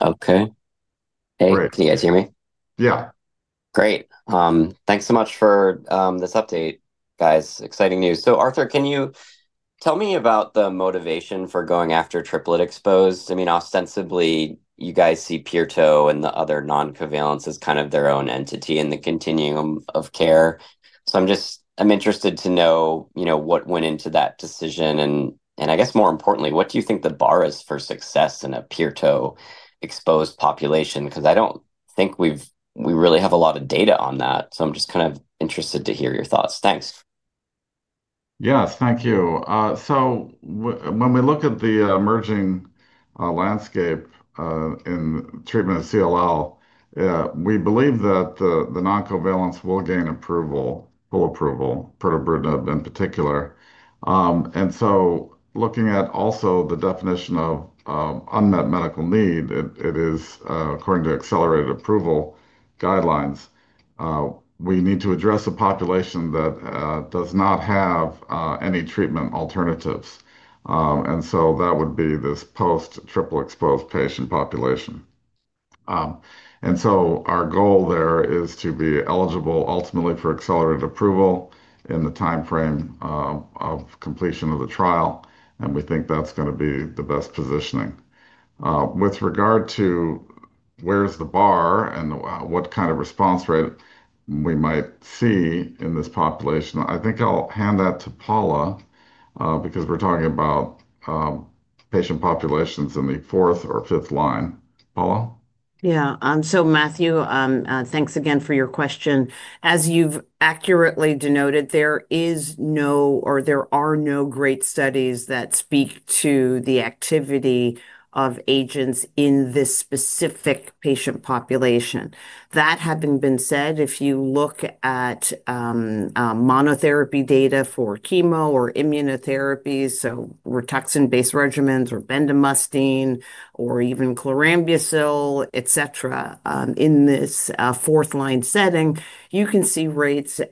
Matt? Okay, can you guys hear me? Yeah. Great. Thanks so much for this update, guys. Exciting news. Arthur, can you tell me about the motivation for going after triplet exposed? Ostensibly, you guys see PIRTO and the other non-covalence as kind of their own entity in the continuum of care. I'm interested to know what went into that decision. I guess more importantly, what do you think the bar is for success in a PIRTO-exposed population? I don't think we really have a lot of data on that. I'm interested to hear your thoughts. Thanks. Yes, thank you. When we look at the emerging landscape in treatment of CLL, we believe that the non-covalents will gain approval, full approval, pertubutinib in particular. Looking at also the definition of unmet medical need, it is according to accelerated approval guidelines, we need to address a population that does not have any treatment alternatives. That would be this post-triple-exposed patient population. Our goal there is to be eligible ultimately for accelerated approval in the timeframe of completion of the trial. We think that's going to be the best positioning. With regard to where's the bar and what kind of response rate we might see in this population, I think I'll hand that to Paula because we're talking about patient populations in the fourth or fifth line. Paula? Yeah. Matthew, thanks again for your question. As you've accurately denoted, there are no great studies that speak to the activity of agents in this specific patient population. That having been said, if you look at monotherapy data for chemo or immunotherapies, Rituxan-based regimens or bendamustine or even chlorambucil, et cetera, in this fourth line setting, you can see rates in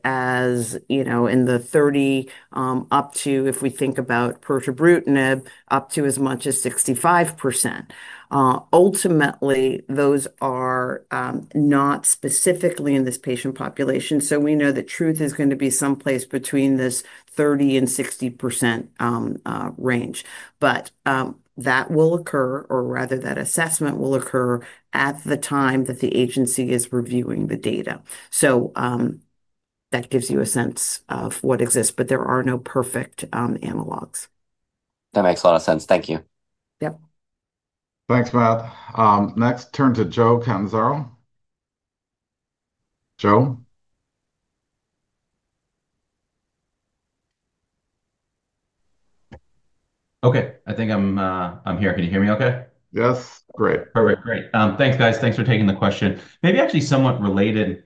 the 30 up to, if we think about pertubutinib, up to as much as 65%. Ultimately, those are not specifically in this patient population. We know the truth is going to be someplace between this 30 and 60% range. That assessment will occur at the time that the agency is reviewing the data. That gives you a sense of what exists. There are no perfect analogs. That makes a lot of sense. Thank you. Yep. Thanks, Matt. Next, turn to Joe Cansaro. Joe? Okay, I think I'm here. Can you hear me okay? Yes. Great. Perfect. Great. Thanks, guys. Thanks for taking the question. Maybe actually somewhat related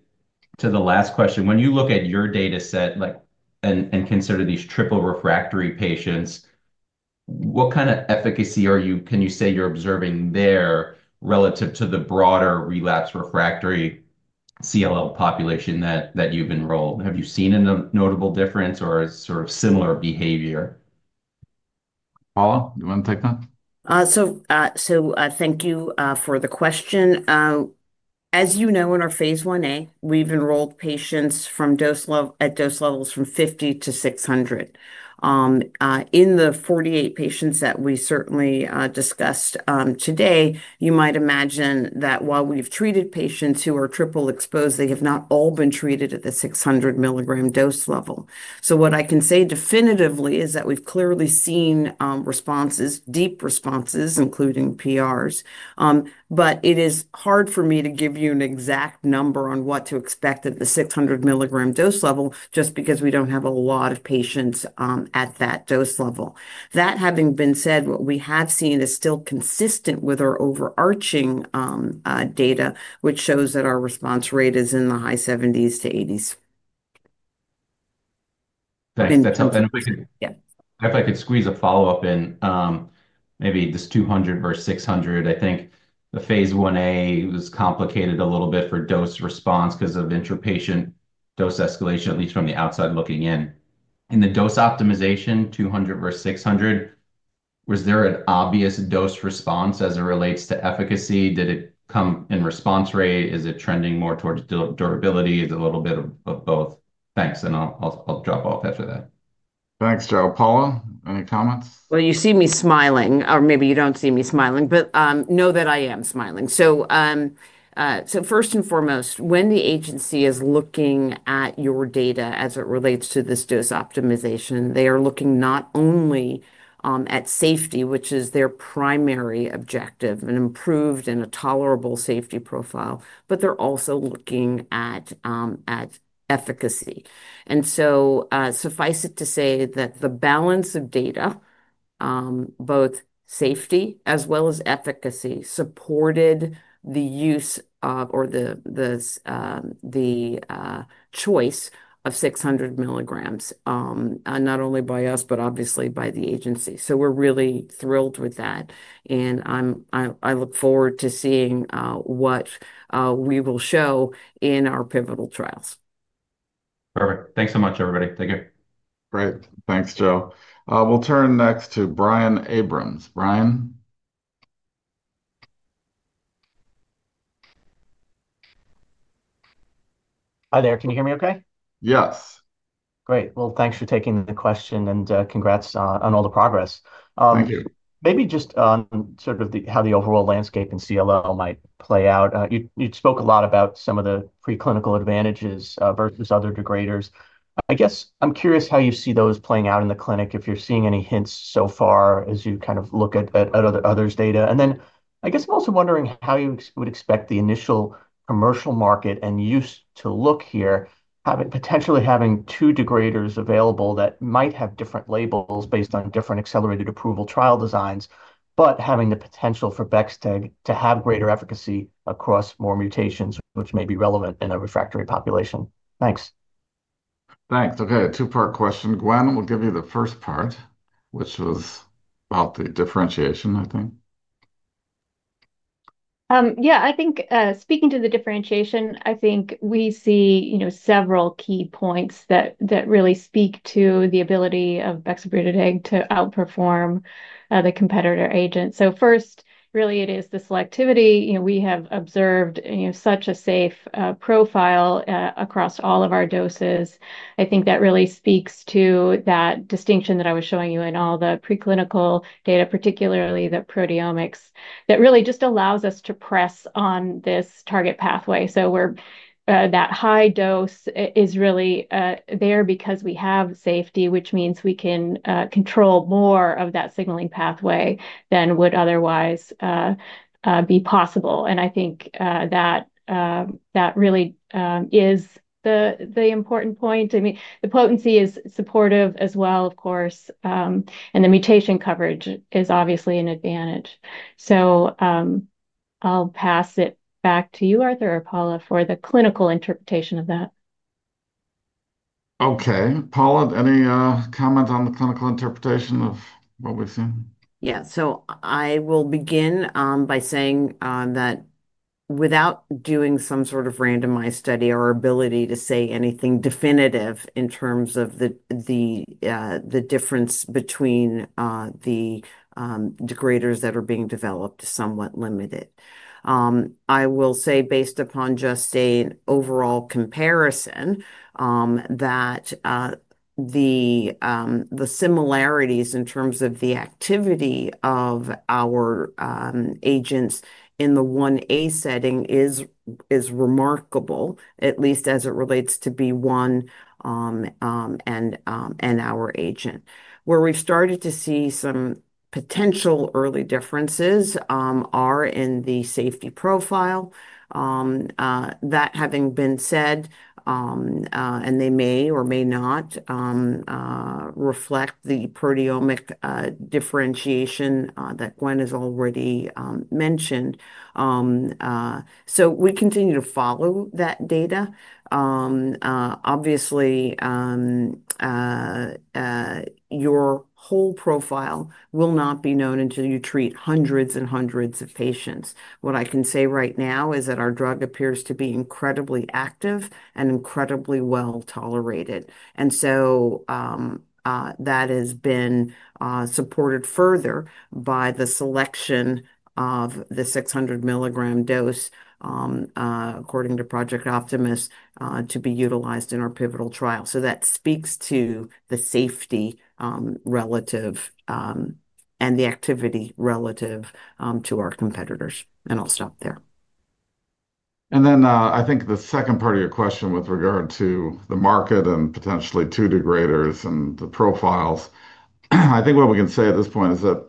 to the last question. When you look at your dataset and consider these triple refractory patients, what kind of efficacy are you, can you say you're observing there relative to the broader relapsed refractory CLL population that you've enrolled? Have you seen a notable difference, or is it sort of similar behavior? Paula, do you want to take that? Thank you for the question. As you know, in our phase I-A, we've enrolled patients at dose levels from 50 mg-600 mg. In the 48 patients that we certainly discussed today, you might imagine that while we've treated patients who are triple exposed, they have not all been treated at the 600 mg dose level. What I can say definitively is that we've clearly seen responses, deep responses, including PRs. It is hard for me to give you an exact number on what to expect at the 600 mg dose level just because we don't have a lot of patients at that dose level. That having been said, what we have seen is still consistent with our overarching data, which shows that our response rate is in the high 70%-80%. Thanks. That's something if we could, yeah, I thought I could squeeze a follow-up in. Maybe this 200 versus 600, I think the phase I-A was complicated a little bit for dose response because of intrapatient dose escalation, at least from the outside looking in. In the dose optimization, 200 versus 600, was there an obvious dose response as it relates to efficacy? Did it come in response rate? Is it trending more towards durability? Is it a little bit of both? Thanks. I'll drop off after that. Thanks, Joe. Paula, any comments? You see me smiling, or maybe you don't see me smiling, but know that I am smiling. First and foremost, when the agency is looking at your data as it relates to this dose optimization, they are looking not only at safety, which is their primary objective, an improved and a tolerable safety profile, but they're also looking at efficacy. Suffice it to say that the balance of data, both safety as well as efficacy, supported the use of or the choice of 600 mg, not only by us, but obviously by the agency. We're really thrilled with that. I look forward to seeing what we will show in our pivotal trials. Perfect. Thanks so much, everybody. Thank you. Great. Thanks, Joe. We'll turn next to Brian Abrahams. Brian? Hi there. Can you hear me okay? Yes. Great. Thanks for taking the question and congrats on all the progress. Thank you. Maybe just on sort of how the overall landscape in CLL might play out. You spoke a lot about some of the preclinical advantages versus other degraders. I guess I'm curious how you see those playing out in the clinic, if you're seeing any hints so far as you kind of look at other data. I guess I'm also wondering how you would expect the initial commercial market and use to look here, having potentially two degraders available that might have different labels based on different accelerated approval trial designs, but having the potential for Bexdeg to have greater efficacy across more mutations, which may be relevant in a refractory population? Thanks. Thanks. Okay. A two-part question. Gwenn, we'll give you the first part, which was about the differentiation, I think. I think speaking to the differentiation, we see several key points that really speak to the ability of Bexobrutideg to outperform the competitor agent. First, it is the selectivity. We have observed such a safe profile across all of our doses. I think that really speaks to that distinction that I was showing you in all the preclinical data, particularly the proteomics, that really just allows us to press on this target pathway. That high dose is really there because we have safety, which means we can control more of that signaling pathway than would otherwise be possible. I think that really is the important point. The potency is supportive as well, of course, and the mutation coverage is obviously an advantage. I'll pass it back to you, Arthur, or Paula, for the clinical interpretation of that. Okay. Paula, any comments on the clinical interpretation of what we've seen? Yeah. I will begin by saying that without doing some sort of randomized study, our ability to say anything definitive in terms of the difference between the degraders that are being developed is somewhat limited. I will say, based upon just an overall comparison, that the similarities in terms of the activity of our agents in the I-A setting are remarkable, at least as it relates to B1 and our agent. Where we've started to see some potential early differences are in the safety profile. That having been said, they may or may not reflect the proteomic differentiation that Gwenn has already mentioned. We continue to follow that data. Obviously, your whole profile will not be known until you treat hundreds and hundreds of patients. What I can say right now is that our drug appears to be incredibly active and incredibly well tolerated. That has been supported further by the selection of the 600 mg dose, according to Project Optimus, to be utilized in our pivotal trial. That speaks to the safety relative and the activity relative to our competitors. I'll stop there. I think the second part of your question with regard to the market and potentially two degraders and the profiles, what we can say at this point is that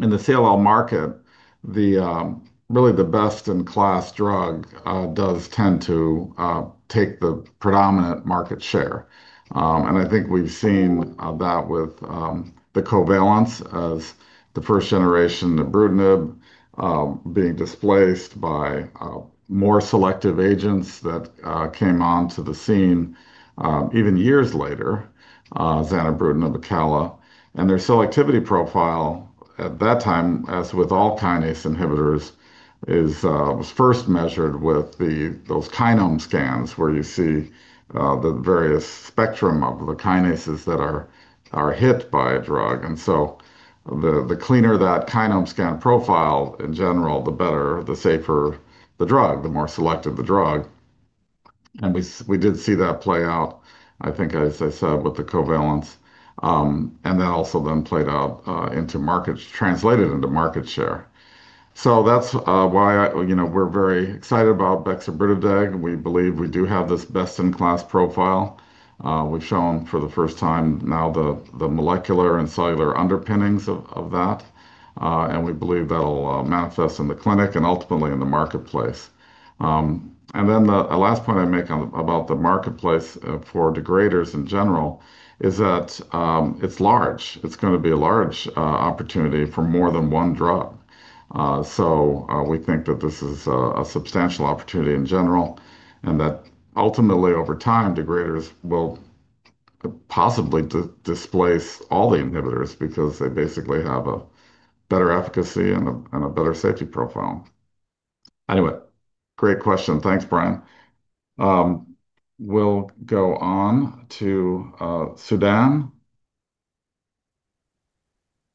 in the CLL market, really the best-in-class drug does tend to take the predominant market share. I think we've seen that with the covalence as the first generation Ibrutinib being displaced by more selective agents that came onto the scene even years later, Zanubrutinib, Acalabrutinib, and their selectivity profile at that time, as with all kinase inhibitors, was first measured with those kinome scans where you see the various spectrum of the kinases that are hit by a drug. The cleaner that kinome scan profile in general, the better, the safer the drug, the more selective the drug. We did see that play out, as I said, with the covalence, and that also then played out into market, translated into market share. That is why we're very excited about Bexobrutideg. We believe we do have this best-in-class profile. We've shown for the first time now the molecular and cellular underpinnings of that. We believe that'll manifest in the clinic and ultimately in the marketplace. The last point I make about the marketplace for degraders in general is that it's large. It's going to be a large opportunity for more than one drug. We think that this is a substantial opportunity in general and that ultimately, over time, degraders will possibly displace all the inhibitors because they basically have a better efficacy and a better safety profile. Anyway, great question. Thanks, Brian. We'll go on to Sudan.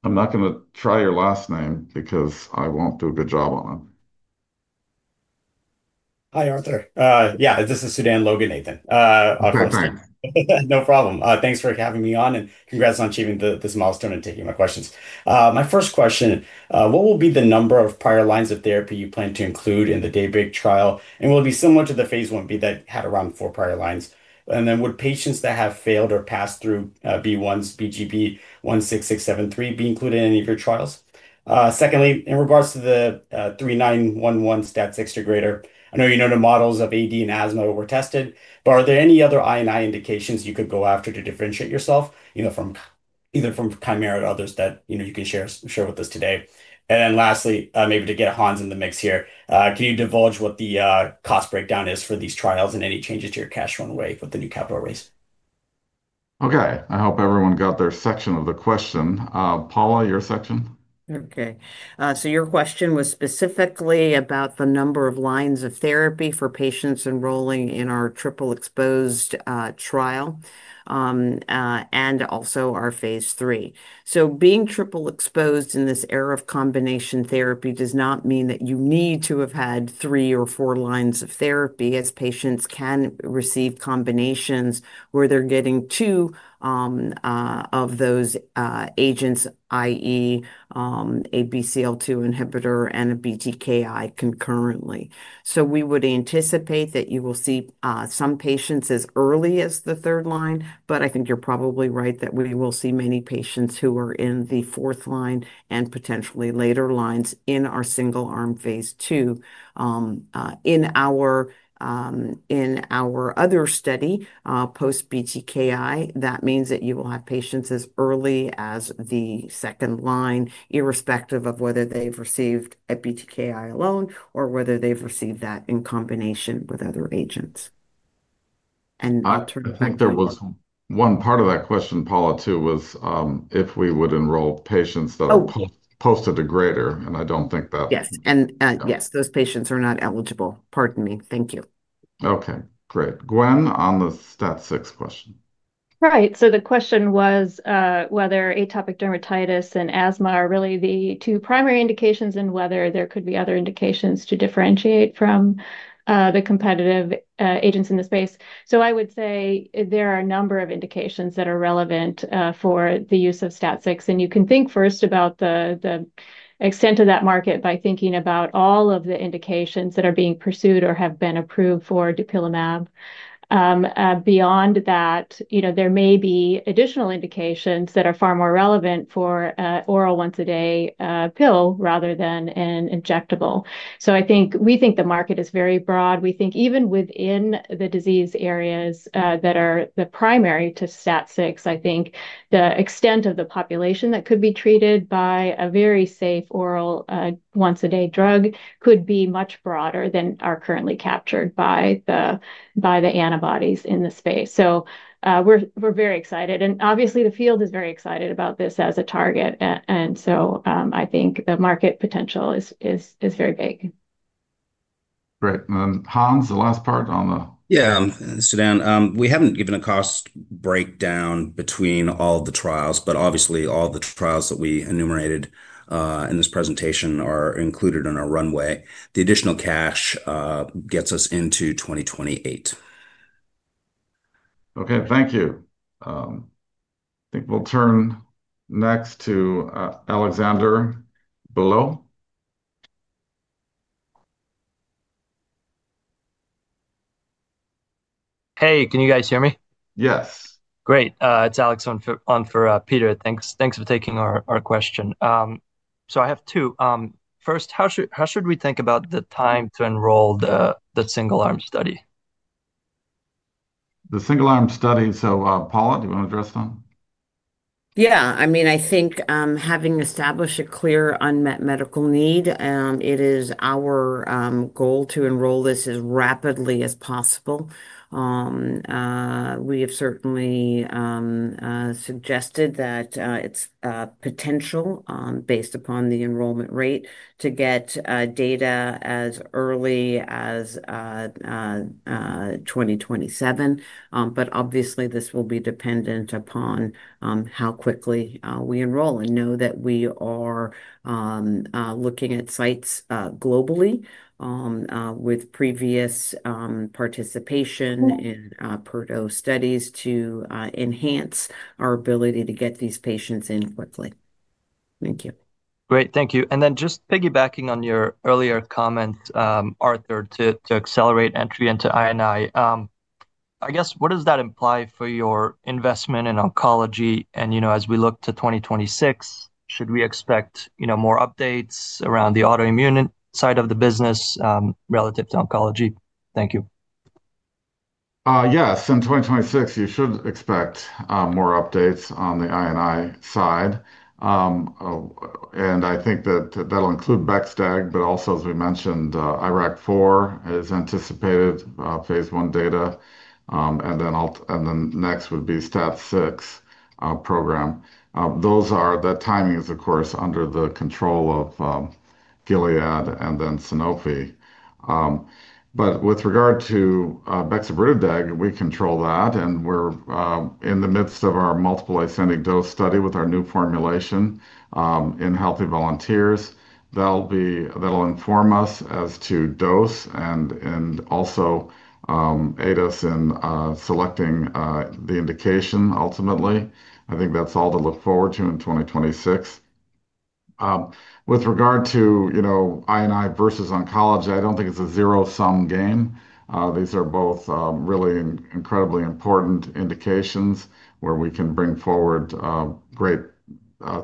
I'm not going to try your last name because I won't do a good job on it. Hi, Arthur. Yeah, this is Sudan Loganathan. Hi, Brian. No problem. Thanks for having me on and congrats on achieving this milestone and taking my questions. My first question, what will be the number of prior lines of therapy you plan to include in the Daybreak trial? Will it be similar to the phase I-B that had around four prior lines? Would patients that have failed or passed through B1's BGB-16673 be included in any of your trials? Secondly, in regards to the NX-3911 STAT6 degrader, I know the models of AD and asthma were tested, but are there any other indications you could go after to differentiate yourself from either Chimera or others that you can share with us today? Lastly, maybe to get Hans in the mix here, can you divulge what the cost breakdown is for these trials and any changes to your cash runway with the new capital raise? Okay. I hope everyone got their section of the question. Paula, your section? Okay. Your question was specifically about the number of lines of therapy for patients enrolling in our triple exposed trial and also our phase III. Being triple exposed in this era of combination therapy does not mean that you need to have had three or four lines of therapy, as patients can receive combinations where they're getting two of those agents, i.e., a BCL2 inhibitor and a BTKI concurrently. We would anticipate that you will see some patients as early as the third line, but I think you're probably right that we will see many patients who are in the fourth line and potentially later lines in our single arm phase II. In our other study, post-BTKI, that means that you will have patients as early as the second line, irrespective of whether they've received a BTKI alone or whether they've received that in combination with other agents. I'll turn it back to you. I think there was one part of that question, Paula, too, was if we would enroll patients that are post degrader, and I don't think that. Yes, those patients are not eligible. Thank you. Okay. Great. Gwenn, on the STAT6 question. Right. The question was whether atopic dermatitis and asthma are really the two primary indications and whether there could be other indications to differentiate from the competitive agents in the space. I would say there are a number of indications that are relevant for the use of STAT6, and you can think first about the extent of that market by thinking about all of the indications that are being pursued or have been approved for dupilumab. Beyond that, there may be additional indications that are far more relevant for oral once-a-day pill rather than an injectable. I think we think the market is very broad. We think even within the disease areas that are the primary to STAT6, I think the extent of the population that. Treated by a very safe oral once-a-day drug could be much broader than are currently captured by the antibodies in the space. We are very excited, and obviously the field is very excited about this as a target. I think the market potential is very big. Great. Hans, the last part on the... Yeah, Sudan, we haven't given a cost breakdown between all of the trials, but obviously all the trials that we enumerated in this presentation are included in our runway. The additional cash gets us into 2028. Okay, thank you. I think we'll turn next to Alexander. Hello? Can you guys hear me? Yes. Great. It's Alex on for Peter. Thanks for taking our question. I have two. First, how should we think about the time to enroll the single-arm study? The single-arm study, Paula, do you want to address that? Yeah, I mean, I think having established a clear unmet medical need, it is our goal to enroll this as rapidly as possible. We have certainly suggested that it's potential based upon the enrollment rate to get data as early as 2027. Obviously, this will be dependent upon how quickly we enroll and know that we are looking at sites globally with previous participation in Nurix studies to enhance our ability to get these patients in quickly. Thank you. Great, thank you. Just piggybacking on your earlier comments, Arthur, to accelerate entry into INI, what does that imply for your investment in oncology? As we look to 2026, should we expect more updates around the autoimmune side of the business relative to oncology? Thank you. Yes, in 2026, you should expect more updates on the INI side. I think that that'll include Bexobrutideg, but also, as we mentioned, IRAK4 is anticipated, phase I data. Next would be the STAT6 program. That timing is, of course, under the control of Gilead and then Sanofi. With regard to Bexobrutideg, we control that and we're in the midst of our multiple ascending dose study with our new formulation in healthy volunteers. That'll inform us as to dose and also aid us in selecting the indication, ultimately. I think that's all to look forward to in 2026. With regard to INI versus oncology, I don't think it's a zero-sum game. These are both really incredibly important indications where we can bring forward great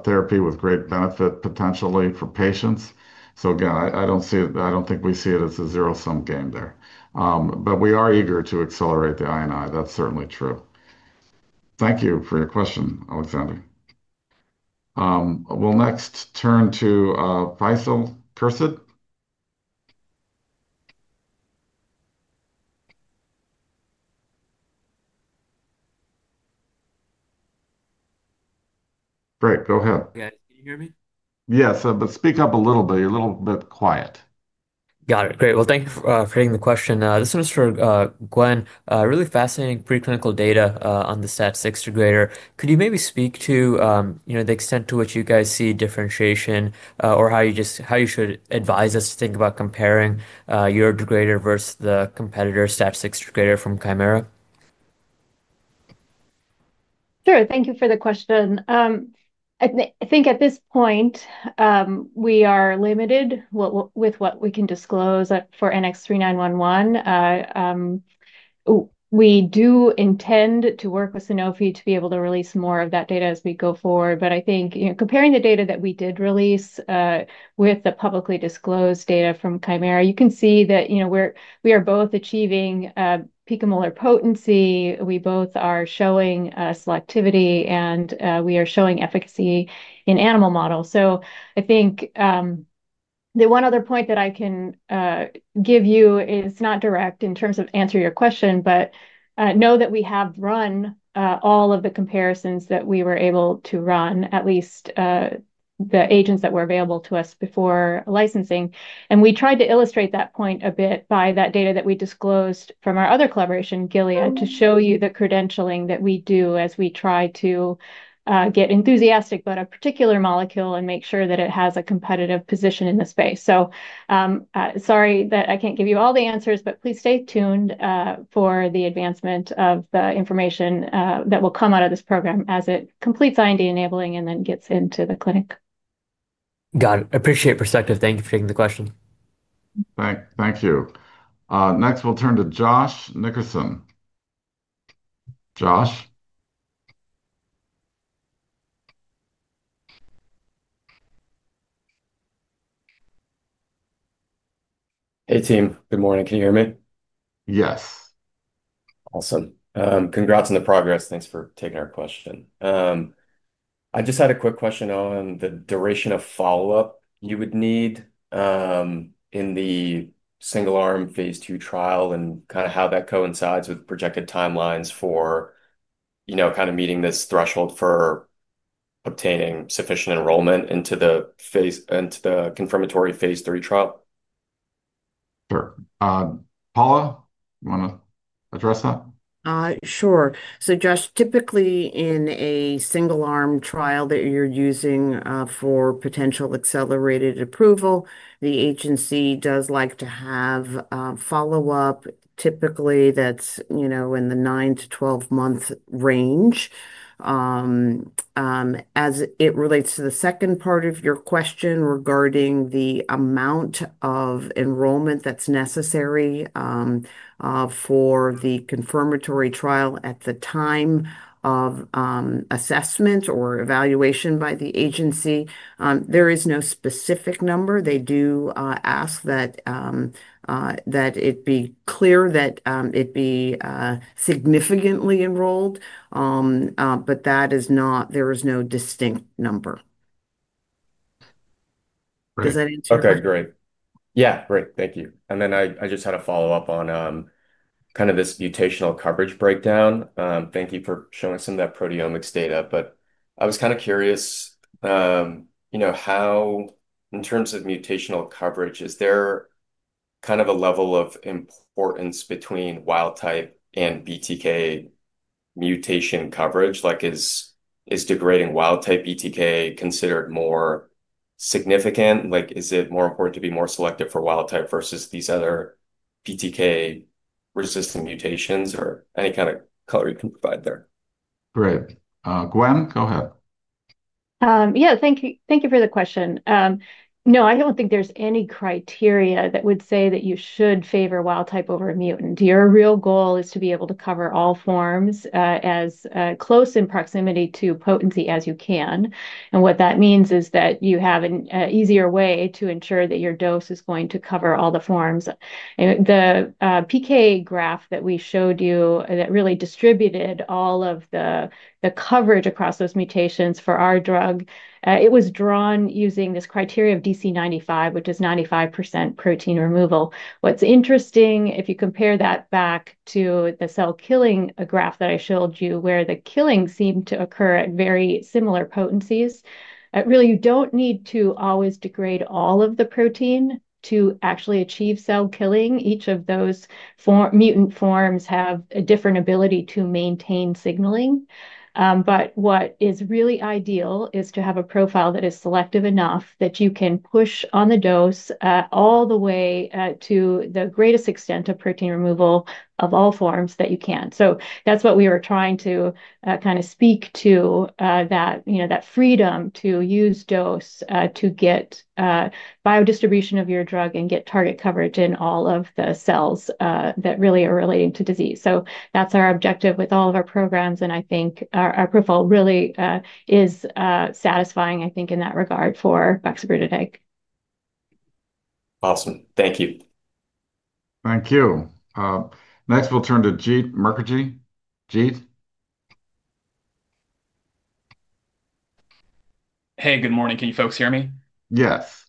therapy with great benefit potentially for patients. I don't see it, I don't think we see it as a zero-sum game there. We are eager to accelerate the INI, that's certainly true. Thank you for your question, Alexander. We'll next turn to Faisal Khursid. Great, go ahead. Hey, guys, can you hear me? Yes, but speak up a little bit. You're a little bit quiet. Got it. Thank you for creating the question. This one is for Gwenn. Really fascinating preclinical data on the STAT6 degrader. Could you maybe speak to the extent to which you guys see differentiation or how you should advise us to think about comparing your degrader versus the competitor STAT6 degrader from Chimera? Sure, thank you for the question. I think at this point, we are limited with what we can disclose for NX-3911. We do intend to work with Sanofi S.A. to be able to release more of that data as we go forward. I think, you know, comparing the data that we did release with the publicly disclosed data from Chimera Therapeutics, you can see that, you know, we are both achieving peak and molar potency. We both are showing selectivity and we are showing efficacy in animal models. I think the one other point that I can give you is not direct in terms of answering your question, but know that we have run all of the comparisons that we were able to run, at least the agents that were available to us before licensing. We tried to illustrate that point a bit by that data that we disclosed from our other collaboration, Gilead Sciences, to show you the credentialing that we do as we try to get enthusiastic about a particular molecule and make sure that it has a competitive position in the space. Sorry that I can't give you all the answers, but please stay tuned for the advancement of the information that will come out of this program as it completes IND-enabling and then gets into the clinic. Got it. Appreciate the perspective. Thank you for taking the question. All right, thank you. Next, we'll turn to Josh Nickerson. Josh. Hey, team. Good morning. Can you hear me? Yes. Awesome. Congrats on the progress. Thanks for taking our question. I just had a quick question on the duration of follow-up you would need in the single-arm phase II trial and how that coincides with projected timelines for meeting this threshold for obtaining sufficient enrollment into the confirmatory phase III trial? Sure. Paula, you want to address that? Sure. Josh, typically in a single-arm trial that you're using for potential accelerated approval, the agency does like to have follow-up. Typically, that's in the 9-12-month range. As it relates to the second part of your question regarding the amount of enrollment that's necessary for the confirmatory trial at the time of assessment or evaluation by the agency, there is no specific number. They do ask that it be clear that it be significantly enrolled. That is not, there is no distinct number. Does that answer? Okay, great. Thank you. I just had a follow-up on this mutational coverage breakdown. Thank you for showing some of that proteomics data. I was curious, in terms of mutational coverage, is there a level of importance between wild type and BTK mutation coverage? Is degrading wild type BTK considered more significant? Is it more important to be more selective for wild type versus these other BTK-resistant mutations or any kind of color you can provide there? Great. Gwenn, go ahead. Thank you. Thank you for the question. No, I don't think there's any criteria that would say that you should favor wild type over a mutant. Your real goal is to be able to cover all forms as close in proximity to potency as you can. What that means is that you have an easier way to ensure that your dose is going to cover all the forms. The PK graph that we showed you really distributed all of the coverage across those mutations for our drug. It was drawn using this criteria of DC95, which is 95% protein removal. What's interesting, if you compare that back to the cell killing graph that I showed you, where the killing seemed to occur at very similar potencies, you don't need to always degrade all of the protein to actually achieve cell killing. Each of those mutant forms has a different ability to maintain signaling. What is really ideal is to have a profile that is selective enough that you can push on the dose all the way to the greatest extent of protein removal of all forms that you can. That's what we were trying to speak to, that freedom to use dose to get biodistribution of your drug and get target coverage in all of the cells that really are relating to disease. That's our objective with all of our programs. I think our proof really is satisfying, I think, in that regard for Bexobrutideg. Awesome. Thank you. Thank you. Next, we'll turn to Jeet Mukherjee. Jeet? Hey, good morning. Can you folks hear me? Yes.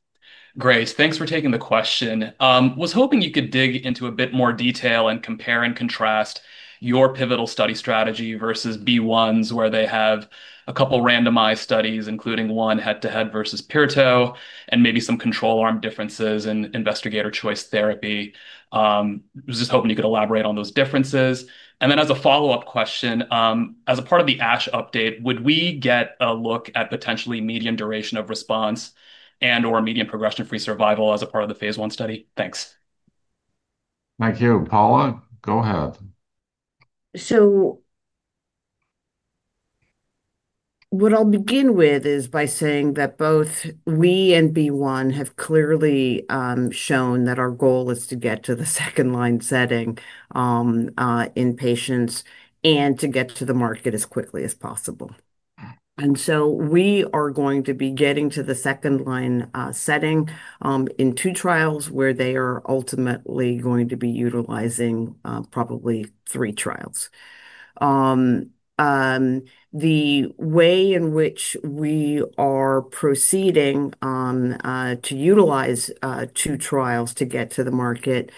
Great. Thanks for taking the question. I was hoping you could dig into a bit more detail and compare and contrast your pivotal study strategy versus B1's, where they have a couple of randomized studies, including one head-to-head versus PERTO, and maybe some control arm differences in investigator choice therapy. I was just hoping you could elaborate on those differences. As a follow-up question, as a part of the ASH update, would we get a look at potentially median duration of response and/or median progression-free survival as a part of the phase one study? Thanks. Thank you. Paula, go ahead. What I'll begin with is by saying that both we and B1 have clearly shown that our goal is to get to the second-line setting in patients and to get to the market as quickly as possible. We are going to be getting to the second-line setting in two trials where they are ultimately going to be utilizing probably three trials. The way in which we are proceeding to utilize two trials to get to the market,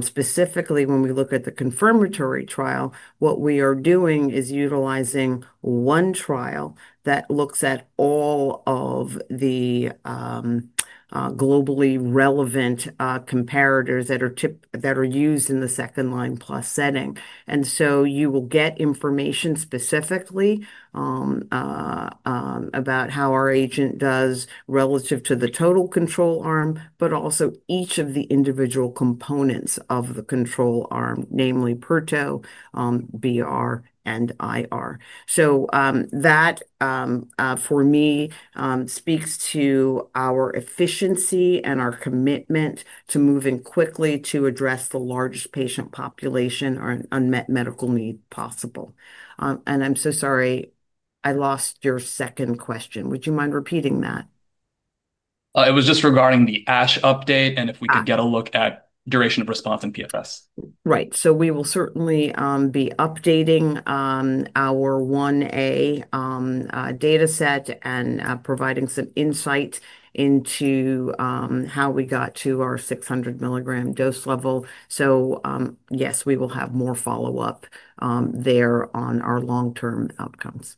specifically when we look at the confirmatory trial, what we are doing is utilizing one trial that looks at all of the globally relevant comparators that are used in the second-line plus setting. You will get information specifically about how our agent does relative to the total control arm, but also each of the individual components of the control arm, namely PERTO, BR, and IR. That, for me, speaks to our efficiency and our commitment to moving quickly to address the largest patient population or an unmet medical need possible. I'm so sorry. I lost your second question. Would you mind repeating that? It was just regarding the ASH update, and if we could get a look at duration of response in PFS. Right. We will certainly be updating our I-A data set and providing some insight into how we got to our 600 mg dose level. Yes, we will have more follow-up there on our long-term outcomes.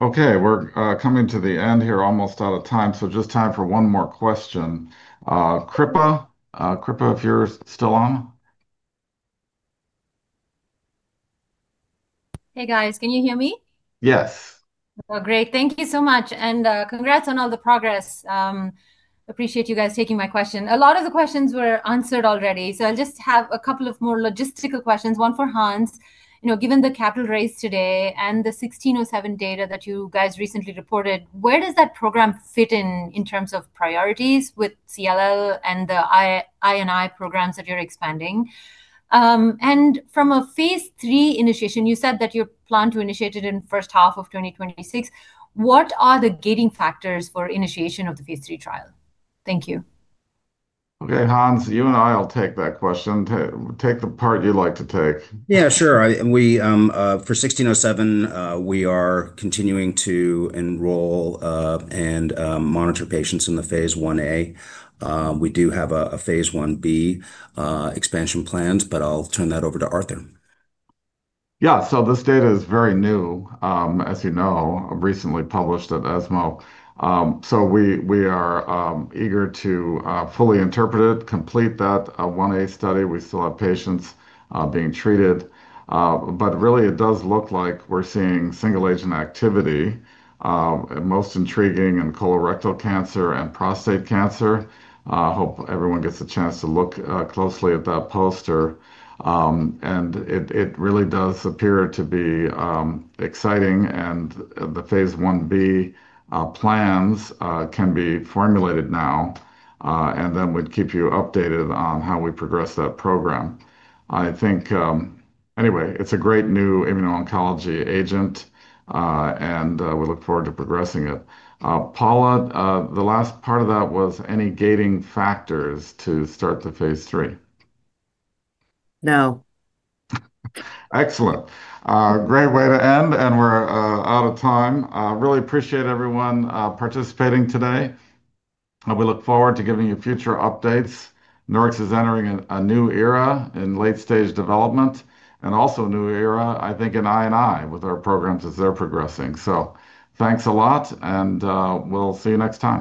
Okay, we're coming to the end here, almost out of time. Just time for one more question. Kripa, if you're still on. Hey, guys, can you hear me? Yes. Great. Thank you so much. Congrats on all the progress. Appreciate you guys taking my question. A lot of the questions were answered already. I just have a couple more logistical questions. One for Hans. Given the capital raise today and the 1607 data that you guys recently reported, where does that program fit in in terms of priorities with CLL and the INI programs that you're expanding? From a phase III initiation, you said that you plan to initiate it in the first half of 2026. What are the gating factors for initiation of the phase III trial? Thank you. Okay, Hans, you and I will take that question. Take the part you'd like to take. Yeah, sure. For NX-1607, we are continuing to enroll and monitor patients in the phase I-A. We do have a phase I-B expansion planned, but I'll turn that over to Arthur. Yeah, this data is very new, as you know, recently published at ESMO. We are eager to fully interpret it and complete that I-A study. We still have patients being treated. It does look like we're seeing single-agent activity, most intriguing in colorectal cancer and prostate cancer. I hope everyone gets a chance to look closely at that poster. It really does appear to be exciting. The phase I-B plans can be formulated now, and we'd keep you updated on how we progress that program. I think, anyway, it's a great new immuno-oncology agent, and we look forward to progressing it. Paula, the last part of that was any gating factors to start the phase III? No. Excellent. Great way to end, and we're out of time. Really appreciate everyone participating today. We look forward to giving you future updates. Nurix Therapeutics is entering a new era in late-stage development and also a new era, I think, in IND-enabling studies with our programs as they're progressing. Thanks a lot, and we'll see you next time.